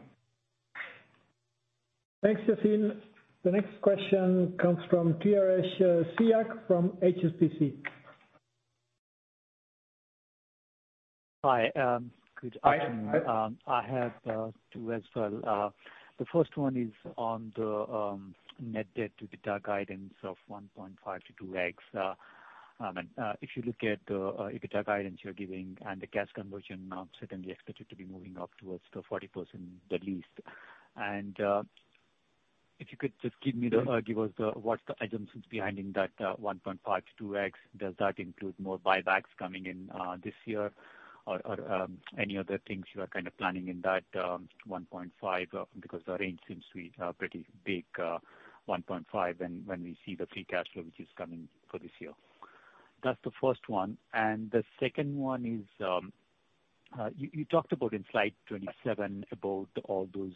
Thanks, Yassine. The next question comes from Brijesh Siya from HSBC. Hi. good afternoon. Hi. I have two as well. The first one is on the net debt to EBITDA guidance of 1.5x-2x. If you look at the EBITDA guidance you're giving and the cash conversion now certainly expected to be moving up towards the 40% at least. If you could just give me the Yeah. Give us the, what's the assumptions behind in that 1.5x-2x? Does that include more buybacks coming in this year, or any other things you are kind of planning in that 1.5? Because the range seems to be pretty big, 1.5 when we see the free cash flow which is coming for this year. That's the first one. The second one is, you talked about in slide 27 about all those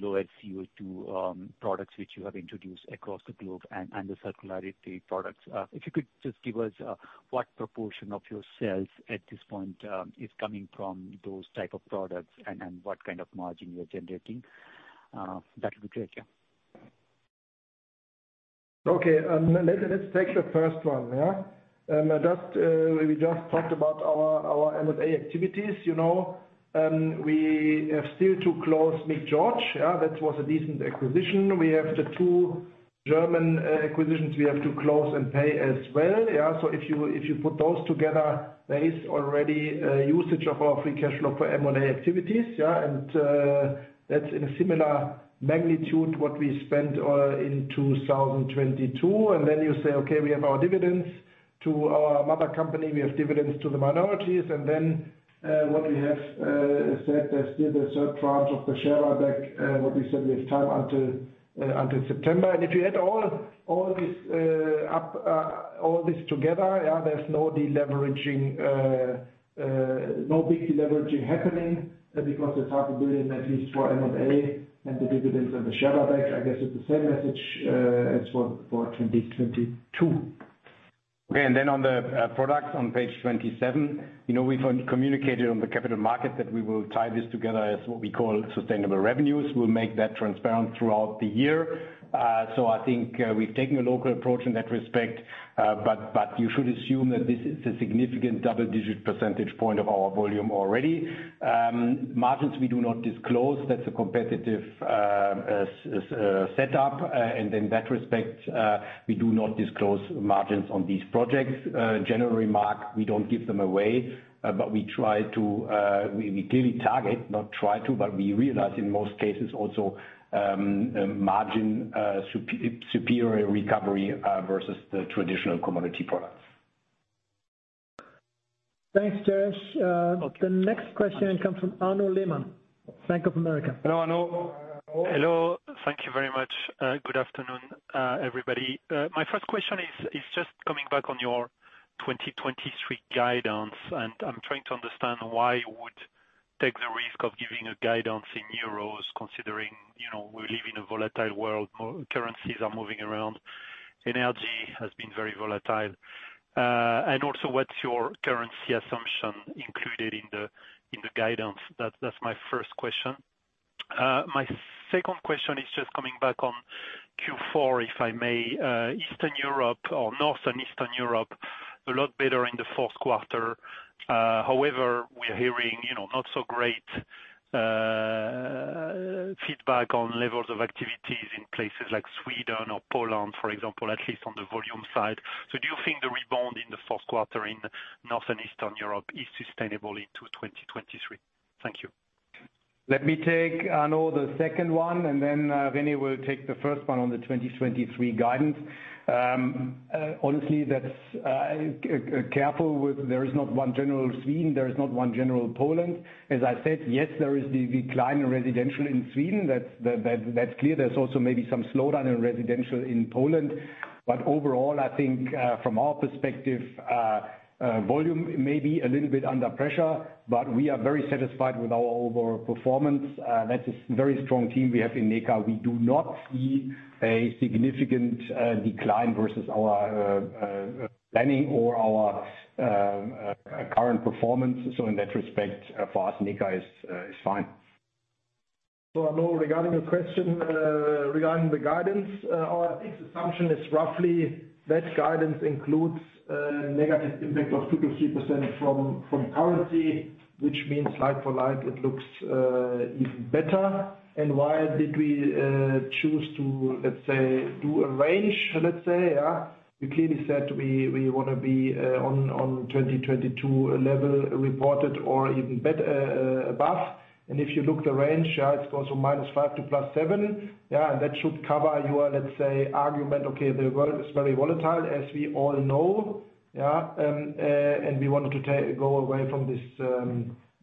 lower CO2 products which you have introduced across the globe and the circularity products. If you could just give us what proportion of your sales at this point is coming from those type of products and what kind of margin you are generating? That would be great. Yeah. Okay. Let's take the first one, yeah? We just talked about our M&A activities. You know, we have still to close Mick George, yeah? That was a decent acquisition. We have the two German acquisitions we have to close and pay as well, yeah? If you put those together, there is already a usage of our free cash flow for M&A activities, yeah? That's in a similar magnitude what we spent in 2022. You say, okay, we have our dividends to our mother company, we have dividends to the minorities, then what we have said there's still the third tranche of the share buyback, what we said we have time until September. If you add all this up, all this together, yeah, there's no de-leveraging, no big de-leveraging happening, because the 500 million at least for M&A and the dividends and the share buyback, I guess it's the same message as for 2022. Okay. On the products on page 27, you know, we've communicated on the capital market that we will tie this together as what we call sustainable revenues. We'll make that transparent throughout the year. I think we've taken a local approach in that respect. But you should assume that this is a significant double-digit percentage point of our volume already. Margins we do not disclose. That's a competitive setup. In that respect, we do not disclose margins on these projects. General remark, we don't give them away, but we clearly target, not try to, but we realize in most cases also, margin superior recovery versus the traditional commodity products. Thanks, Brijesh. The next question comes from Arnaud Lehmann, Bank of America. Hello, Arnaud. Hello. Thank you very much. Good afternoon, everybody. My first question is just coming back on your 2023 guidance. I'm trying to understand why you would take the risk of giving a guidance in euros considering, you know, we live in a volatile world, currencies are moving around, energy has been very volatile. What's your currency assumption included in the guidance? That's my first question. My second question is just coming back on Q4, if I may. Eastern Europe or North and Eastern Europe, a lot better in the fourth quarter. However, we are hearing, you know, not so great feedback on levels of activities in places like Sweden or Poland, for example, at least on the volume side. Do you think the rebound in the fourth quarter in North and Eastern Europe is sustainable into 2023? Thank you. Let me take, Arnaud, the second one, and then René will take the first one on the 2023 guidance. Honestly, that's careful with there is not one general Sweden, there is not one general Poland. As I said, yes, there is the decline in residential in Sweden. That's clear. There's also maybe some slowdown in residential in Poland. Overall, I think, from our perspective, volume may be a little bit under pressure, but we are very satisfied with our overall performance. That is a very strong team we have in NE-CA. We do not see a significant decline versus our planning or our current performance. In that respect, for us, NE-CA is fine. Arnaud, regarding your question, regarding the guidance, our assumption is roughly that guidance includes negative impact of 2%-3% from currency, which means like for like it looks even better. Why did we choose to, let's say, do a range? We clearly said we wanna be on 2022 level reported or even above. If you look the range, it goes from -5% to +7%. That should cover your, let's say, argument, okay, the world is very volatile, as we all know. We wanted to go away from this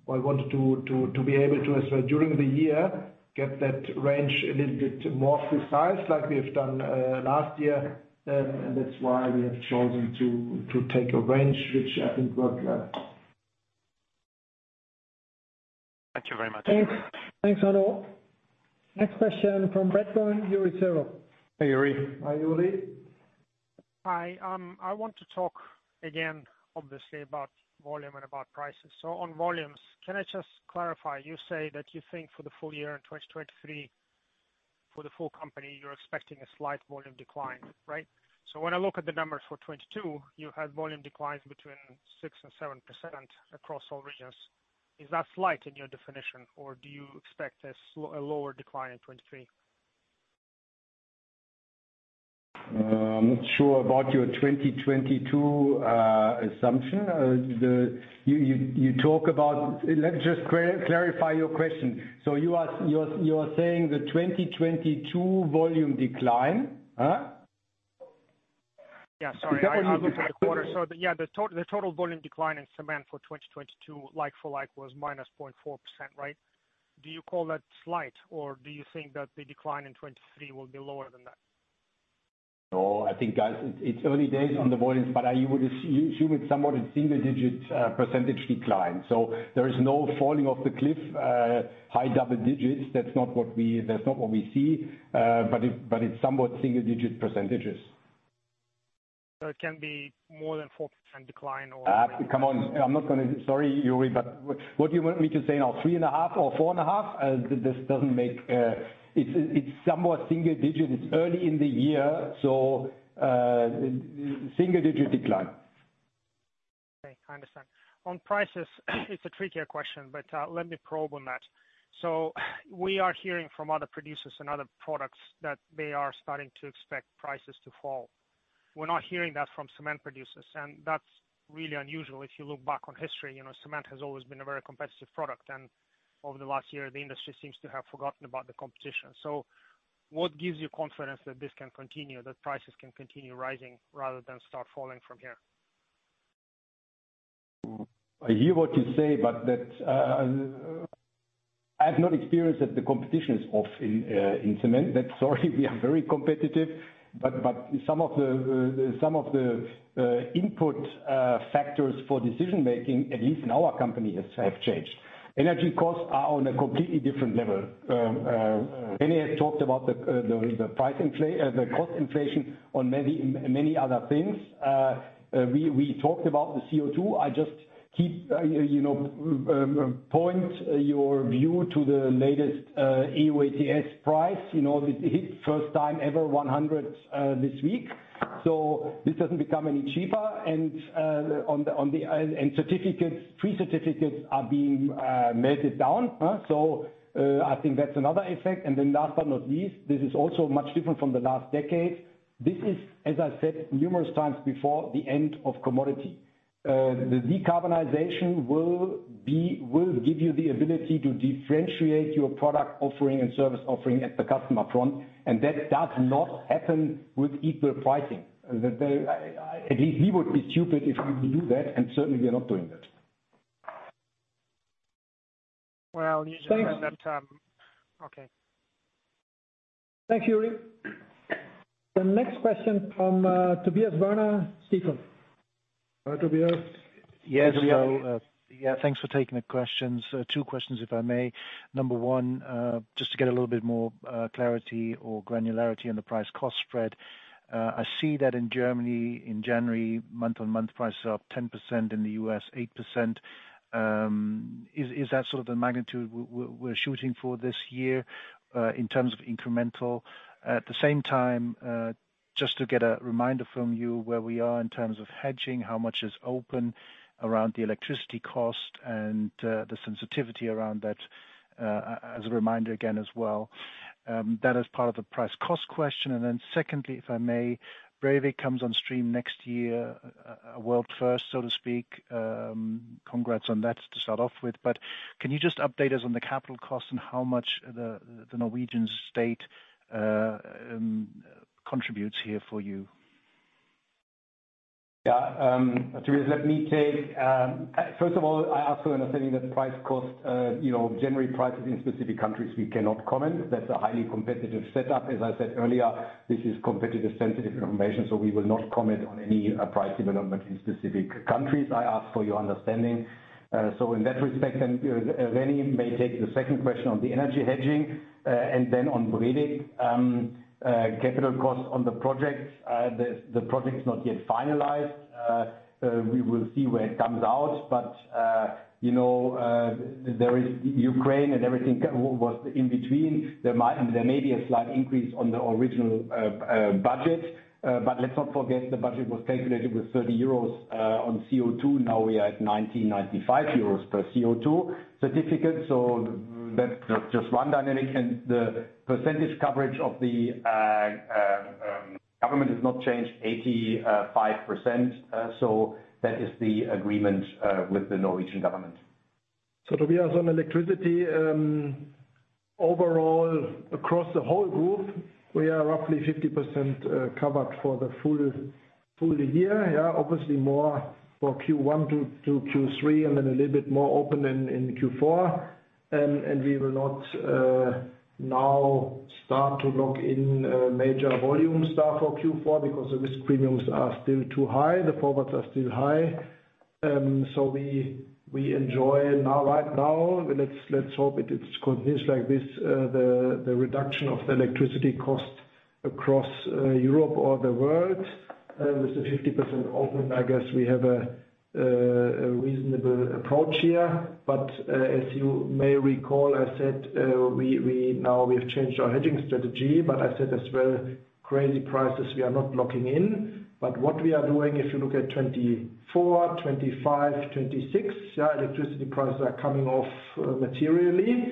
or wanted to be able to, as well, during the year, get that range a little bit more precise like we have done last year. That's why we have chosen to take a range which I think worked well. Thank you very much. Thanks. Thanks, Arnaud. Next question from Redburn, Yuri Serov. Hey, Yuri. Hi, Yuri. Hi. I want to talk again, obviously, about volume and about prices. On volumes, can I just clarify, you say that you think for the full year in 2023, for the full company, you're expecting a slight volume decline, right? When I look at the numbers for 2022, you had volume declines between 6% and 7% across all regions. Is that slight in your definition, or do you expect a lower decline in 2023? I'm not sure about your 2022 assumption. You talk about... Let's just clarify your question. You're saying the 2022 volume decline, huh? Yeah, sorry. I looked at the quarter. Yeah, the total volume decline in cement for 2022, like for like, was -0.4%, right? Do you call that slight, or do you think that the decline in 2023 will be lower than that? I think it's early days on the volumes. I would assume it's somewhat a single digit % decline. There is no falling off the cliff, high double digits. That's not what we see. But it's somewhat single digit %. It can be more than 4% decline or? Come on. Sorry, Yuri, but what do you want me to say now? 3.5 or 4.5? This doesn't make... It's somewhat single-digit. It's early in the year, so, single-digit decline. Okay, I understand. On prices, it's a trickier question, but let me probe on that. We are hearing from other producers and other products that they are starting to expect prices to fall. We're not hearing that from cement producers, and that's really unusual. If you look back on history, you know, cement has always been a very competitive product. And over the last year, the industry seems to have forgotten about the competition. What gives you confidence that this can continue, that prices can continue rising rather than start falling from here? I hear what you say, that, I have not experienced that the competition is off in cement. That's sorry, we are very competitive, some of the, some of the input, factors for decision making, at least in our company, have changed. Energy costs are on a completely different level. René had talked about the cost inflation on many, many other things. We talked about the CO2. I just keep, you know, point your view to the latest EU ETS price. You know, it hit first time ever 100 this week. This doesn't become any cheaper. On the, on the, and certificates, free certificates are being melted down, huh? I think that's another effect. Last but not least, this is also much different from the last decade. This is, as I said numerous times before, the end of commodity. The decarbonization will give you the ability to differentiate your product offering and service offering at the customer front, and that does not happen with equal pricing. The very, at least we would be stupid if we do that, and certainly we are not doing that. Well, you just said that. Okay. Thank you, Yuri. The next question from Tobias Woerner, Stifel. Hi, Tobias. Yes. Thanks for taking the questions. Two questions if I may. Number one, just to get a little bit more clarity or granularity on the price cost spread. I see that in Germany, in January, month-on-month price is up 10%, in the U.S., 8%. Is that sort of the magnitude we're shooting for this year, in terms of incremental? At the same time, just to get a reminder from you where we are in terms of hedging, how much is open around the electricity cost and the sensitivity around that, as a reminder again, as well. That is part of the price cost question. Second, if I may, Brevik comes on stream next year, a world first, so to speak. Congrats on that to start off with. Can you just update us on the capital cost and how much the Norwegian state contributes here for you? Tobias, let me take. First of all, I ask for understanding that price cost, you know, January prices in specific countries, we cannot comment. That's a highly competitive setup. As I said earlier, this is competitive sensitive information. We will not comment on any price development in specific countries. I ask for your understanding. In that respect, René may take the second question on the energy hedging. On Brevik, capital costs on the project, the project is not yet finalized. We will see where it comes out, you know, there is Ukraine and everything was in between. There may be a slight increase on the original budget, let's not forget the budget was calculated with 30 euros on CO2. Now we are at 19.95 euros per CO2 certificate. That's just one dynamic. The percentage coverage of the government has not changed, 85%. That is the agreement with the Norwegian government. Tobias, on electricity, overall, across the whole group, we are roughly 50% covered for the full year. Obviously more for Q1 to Q3, and then a little bit more open in Q4. We will not now start to lock in major volume stuff for Q4 because the risk premiums are still too high, the forwards are still high. We enjoy now, right now, let's hope it continues like this, the reduction of the electricity cost across Europe or the world. With the 50% open, I guess we have a reasonable approach here. As you may recall, I said, we now we've changed our hedging strategy, but I said as well, crazy prices we are not locking in. What we are doing, if you look at 2024, 2025, 2026, electricity prices are coming off materially.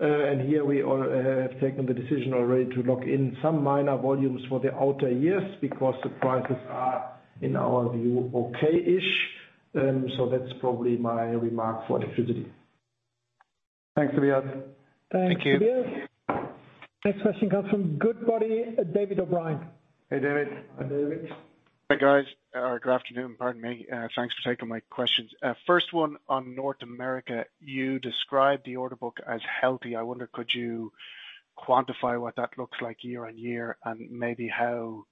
Here we are, have taken the decision already to lock in some minor volumes for the outer years because the prices are, in our view, okay-ish. That's probably my remark for electricity. Thanks, Tobias. Thank you. Thanks, Tobias. Next question comes from Goodbody, David O'Brien. Hey, David. Hi, David. Hi, guys. Good afternoon. Pardon me. Thanks for taking my questions. First one on North America. You described the order book as healthy. I wonder, could you quantify what that looks like year-over-year and maybe how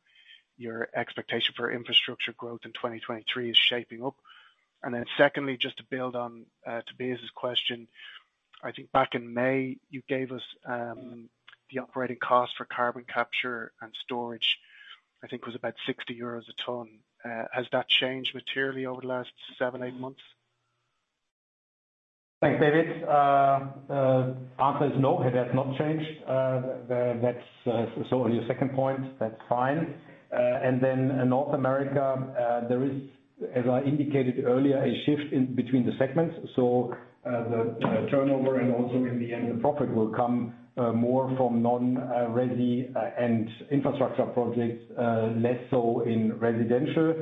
your expectation for infrastructure growth in 2023 is shaping up? Secondly, just to build on Tobias's question, I think back in May, you gave us the operating cost for carbon capture and storage, I think was about 60 euros a ton. Has that changed materially over the last seven, eight months? Thanks, David. Answer is no, it has not changed. The, that's, so on your second point, that's fine. In North America, there is, as I indicated earlier, a shift in between the segments. The turnover and also in the end, the profit will come, more from non, resi, and infrastructure projects, less so in residential.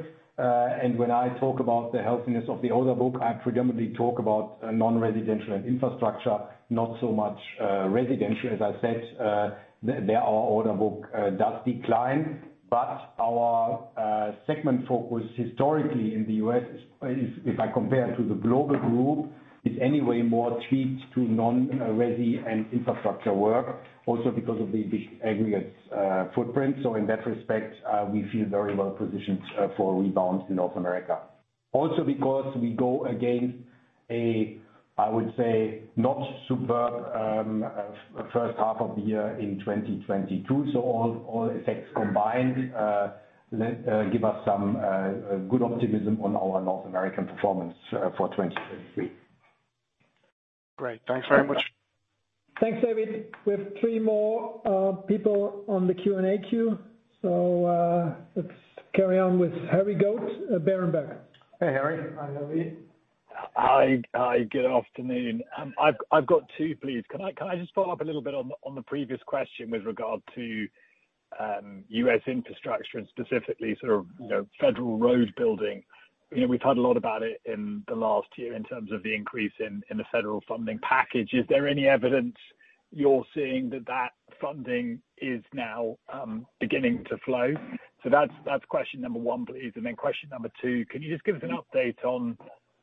When I talk about the healthiness of the order book, I predominantly talk about non-residential and infrastructure, not so much, residential. As I said, their order book, does decline. Our, segment focus historically in the U.S. is, if I compare to the global group, is anyway more tweaked to non-resi and infrastructure work, also because of the aggregates, footprint. In that respect, we feel very well positioned for a rebound in North America. Also because we go against a, I would say, not superb, first half of the year in 2022. All effects combined give us some good optimism on our North American performance for 2023. Great. Thanks very much. Thanks, David. We have three more people on the Q&A queue. Let's carry on with Harry Goad, Berenberg. Hey, Harry. Hi, Harry. Hi. Hi. Good afternoon. I've got two, please. Can I just follow up a little bit on the previous question with regard to U.S. infrastructure and specifically sort of, you know, federal road building? You know, we've heard a lot about it in the last year in terms of the increase in the federal funding package. Is there any evidence? You're seeing that that funding is now beginning to flow. That's question number one, please. Question number two, can you just give us an update on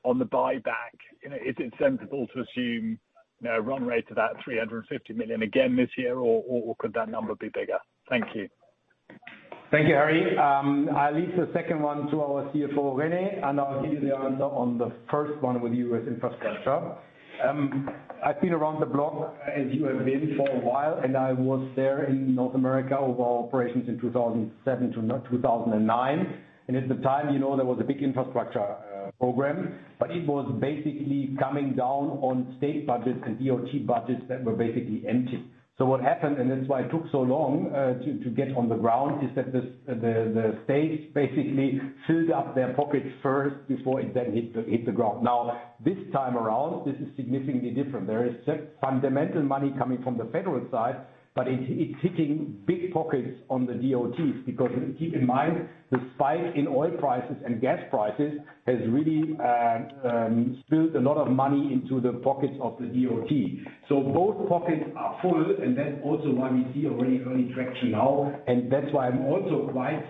the buyback? Is it sensible to assume run rate to that 350 million again this year, or could that number be bigger? Thank you. Thank you, Harry. I'll leave the second one to our CFO, René Aldach, and I'll give you the answer on the first one with U.S. infrastructure. I've been around the block, as you have been, for a while, and I was there in North America over operations in 2007-2009. At the time, you know, there was a big infrastructure program, but it was basically coming down on state budgets and DOT budgets that were basically empty. What happened, and that's why it took so long to get on the ground, is that the states basically filled up their pockets first before it then hit the, hit the ground. This time around, this is significantly different. There is fundamental money coming from the federal side, but it's hitting big pockets on the DOTs. Keep in mind, the spike in oil prices and gas prices has really spilled a lot of money into the pockets of the DOT. Both pockets are full, and that's also why we see already early traction now. That's why I'm also quite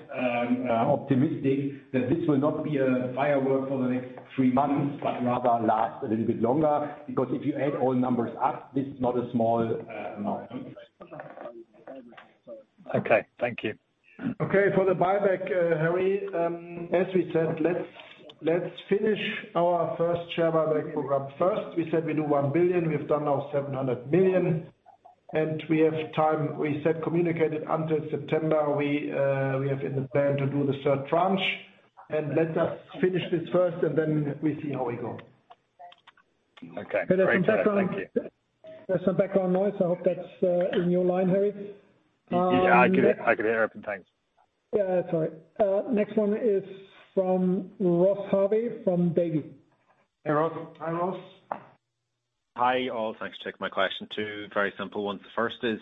optimistic that this will not be a firework for the next three months, but rather last a little bit longer. If you add all numbers up, this is not a small amount. Okay, thank you. Okay. For the buyback, Harry, as we said, let's finish our first share buyback program first. We said we do 1 billion, we have done now 700 million. We have time, we said, communicated until September, we have in the plan to do the third tranche. Let us finish this first, and then we see how we go. Okay. Great. Thank you. There's some background noise. I hope that's in your line, Harry. Yeah, I could hear everything. Sorry. Next one is from Ross Harvey from Berenberg. Hey, Ross. Hi, Ross. Hi, all. Thanks for taking my question. Two very simple ones. The first is,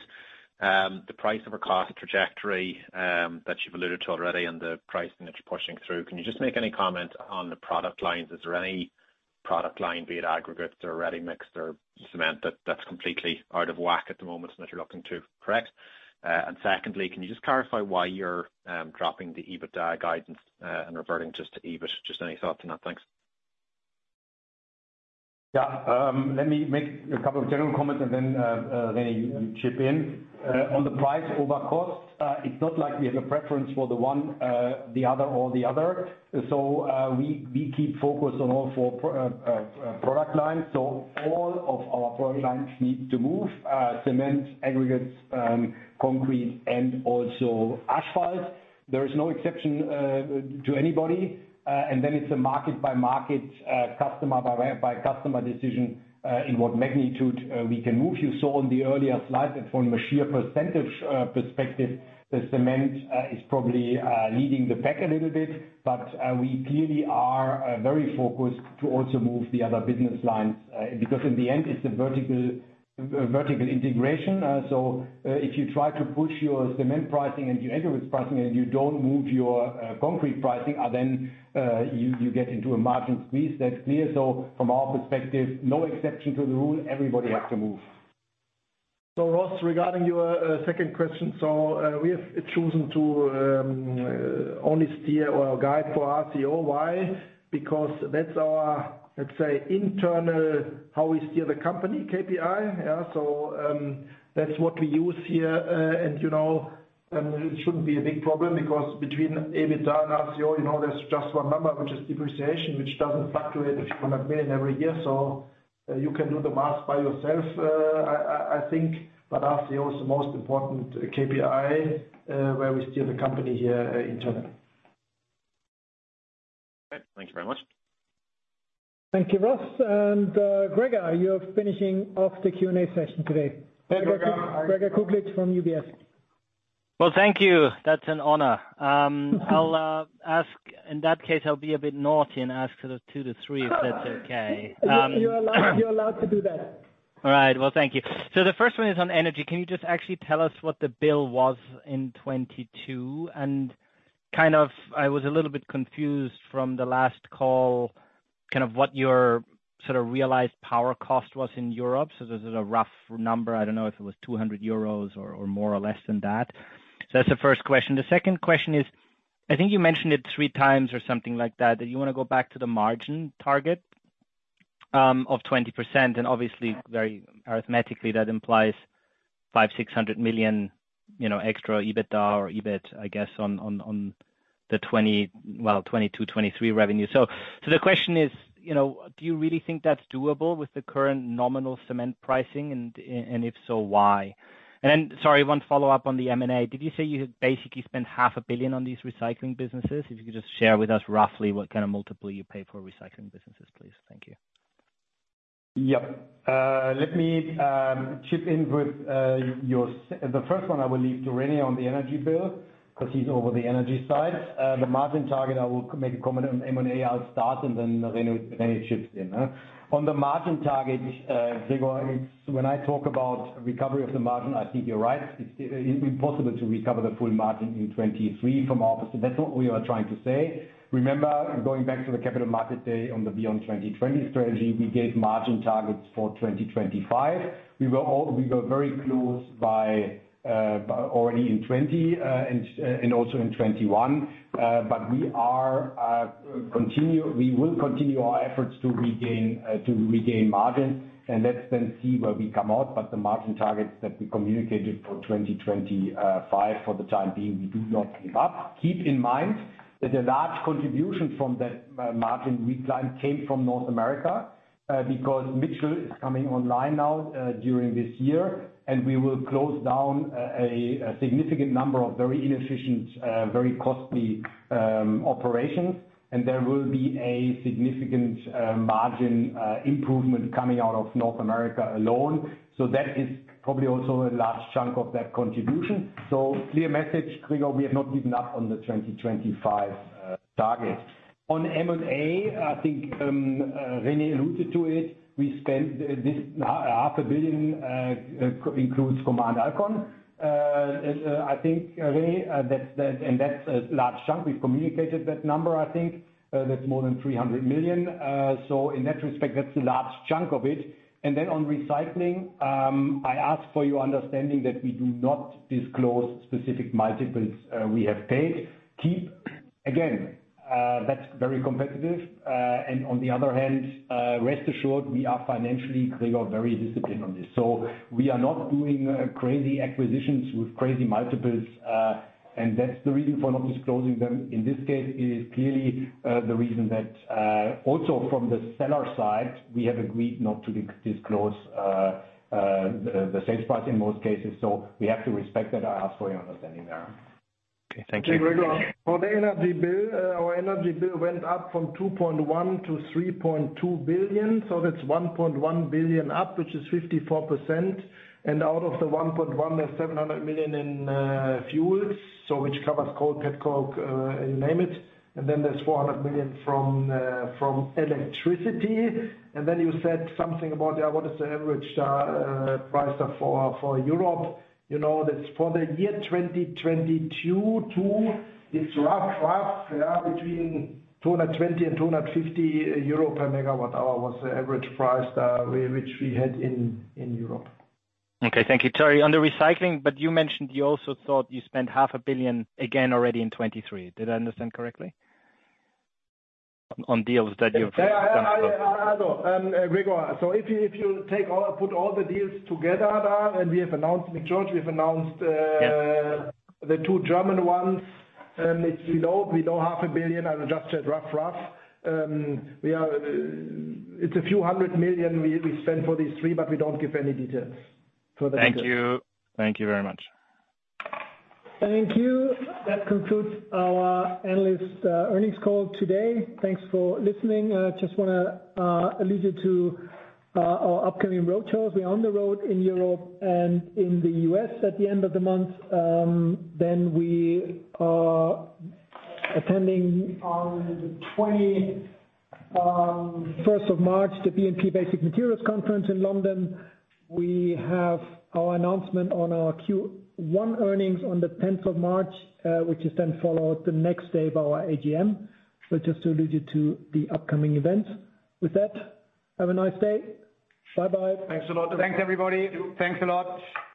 the price over cost trajectory that you've alluded to already and the pricing that you're pushing through. Can you just make any comment on the product lines? Is there any product line, be it aggregates or ready mix or cement, that's completely out of whack at the moment and that you're looking to correct? Secondly, can you just clarify why you're dropping the EBITDA guidance and reverting just to EBIT? Just any thoughts on that? Thanks. Yeah. Let me make a couple of general comments and then René, you chip in. On the price over cost, it's not like we have a preference for the one, the other or the other. We keep focused on all four product lines. All of our product lines need to move, cement, aggregates, concrete, and also asphalt. There is no exception to anybody. Then it's a market by market, customer by way, by customer decision, in what magnitude we can move. You saw on the earlier slide that from a sheer percentage perspective, the cement is probably leading the pack a little bit, but we clearly are very focused to also move the other business lines. Because in the end, it's a vertical integration. So, if you try to push your cement pricing and your aggregates pricing and you don't move your concrete pricing, then you get into a margin squeeze. That's clear. So from our perspective, no exception to the rule. Everybody has to move. Ross, regarding your second question. We have chosen to only steer our guide for RCO. Why? Because that's our, let's say, internal how we steer the company KPI. Yeah, that's what we use here. And you know, it shouldn't be a big problem because between EBITDA and RCO, you know there's just one number, which is depreciation, which doesn't fluctuate a few hundred million every year. You can do the math by yourself, I think. RCO is the most important KPI, where we steer the company here internally. Okay. Thank you very much. Thank you, Ross. Gregor, you're finishing off the Q&A session today. Gregor. Gregor Kuglitsch from UBS. Well, thank you. That's an honor. I'll ask, in that case, I'll be a bit naughty and ask sort of two to three, if that's okay. You're allowed to do that. All right. Well, thank you. The first one is on energy. Can you just actually tell us what the bill was in 2022? Kind of, I was a little bit confused from the last call, kind of what your sort of realized power cost was in Europe. Is it a rough number? I don't know if it was 200 euros or more or less than that. That's the first question. The second question is, I think you mentioned it 3x or something like that you wanna go back to the margin target of 20%. Obviously, very arithmetically, that implies 500 million-600 million, you know, extra EBITDA or EBIT, I guess, on the well, 2022, 2023 revenue. The question is, you know, do you really think that's doable with the current nominal cement pricing? If so, why? Sorry, one follow-up on the M&A. Did you say you had basically spent 500 million on these recycling businesses? If you could just share with us roughly what kind of multiple you pay for recycling businesses, please. Yep. Let me chip in with your the first one I will leave to René on the energy bill, 'cause he's over the energy side. The margin target, I will make a comment on M&A. I'll start and then René chips in. On the margin target, Gregor, when I talk about recovery of the margin, I think you're right. It would be possible to recover the full margin in 2023 from our perspective. That's not what we are trying to say. Remember, going back to the capital market day on the Beyond 2020 strategy, we gave margin targets for 2025. We were very close by already in 2020 and also in 2021. We will continue our efforts to regain margin, see where we come out. The margin targets that we communicated for 2025 for the time being, we do not give up. Keep in mind that a large contribution from that margin decline came from North America, because Mitchell is coming online now during this year, and we will close down a significant number of very inefficient, very costly operations. There will be a significant margin improvement coming out of North America alone. That is probably also a large chunk of that contribution. Clear message, Gregor, we have not given up on the 2025 targets. On M&A, I think René alluded to it. We spent this 0.5 billion includes Command Alkon. I think, René, that's a large chunk. We've communicated that number, I think. That's more than 300 million. In that respect, that's a large chunk of it. On recycling, I ask for your understanding that we do not disclose specific multiples we have paid. Again, that's very competitive. On the other hand, rest assured, we are financially clear or very disciplined on this. We are not doing crazy acquisitions with crazy multiples, that's the reason for not disclosing them. In this case, it is clearly the reason that also from the seller side, we have agreed not to disclose the sales price in most cases. We have to respect that. I ask for your understanding there. Okay. Thank you. Gregor, for the energy bill, our energy bill went up from 2.1 billion-3.2 billion. That's 1.1 billion up, which is 54%. Out of the 1.1 billion, there's 700 million in fuels, which covers coal, petcoke, you name it. There's 400 million from electricity. You said something about what is the average price for Europe? You know, that's for the year 2022, it's between 220 and 250 euro per megawatt hour was the average price which we had in Europe. Okay, thank you. René, on the recycling, you mentioned you also thought you spent 500 million again already in 2023. Did I understand correctly? Yeah, yeah, I, no. Gregor, if you put all the deals together there, we have announced Mick George, we've announced. Yeah. The two German ones, it's below. Below EUR 500 million. I would just say rough. It's a few hundred million euros we spent for these three, but we don't give any details. Thank you. Thank you very much. Thank you. That concludes our analyst earnings call today. Thanks for listening. Just wanna allude you to our upcoming road shows. We're on the road in Europe and in the U.S. at the end of the month. We are attending on the 21st of March, the BNP Basic Materials Conference in London. We have our announcement on our Q1 earnings on the 10th of March, which is then followed the next day by our AGM. Just to allude you to the upcoming events. With that, have a nice day. Bye-bye. Thanks a lot. Thanks everybody. Thanks a lot.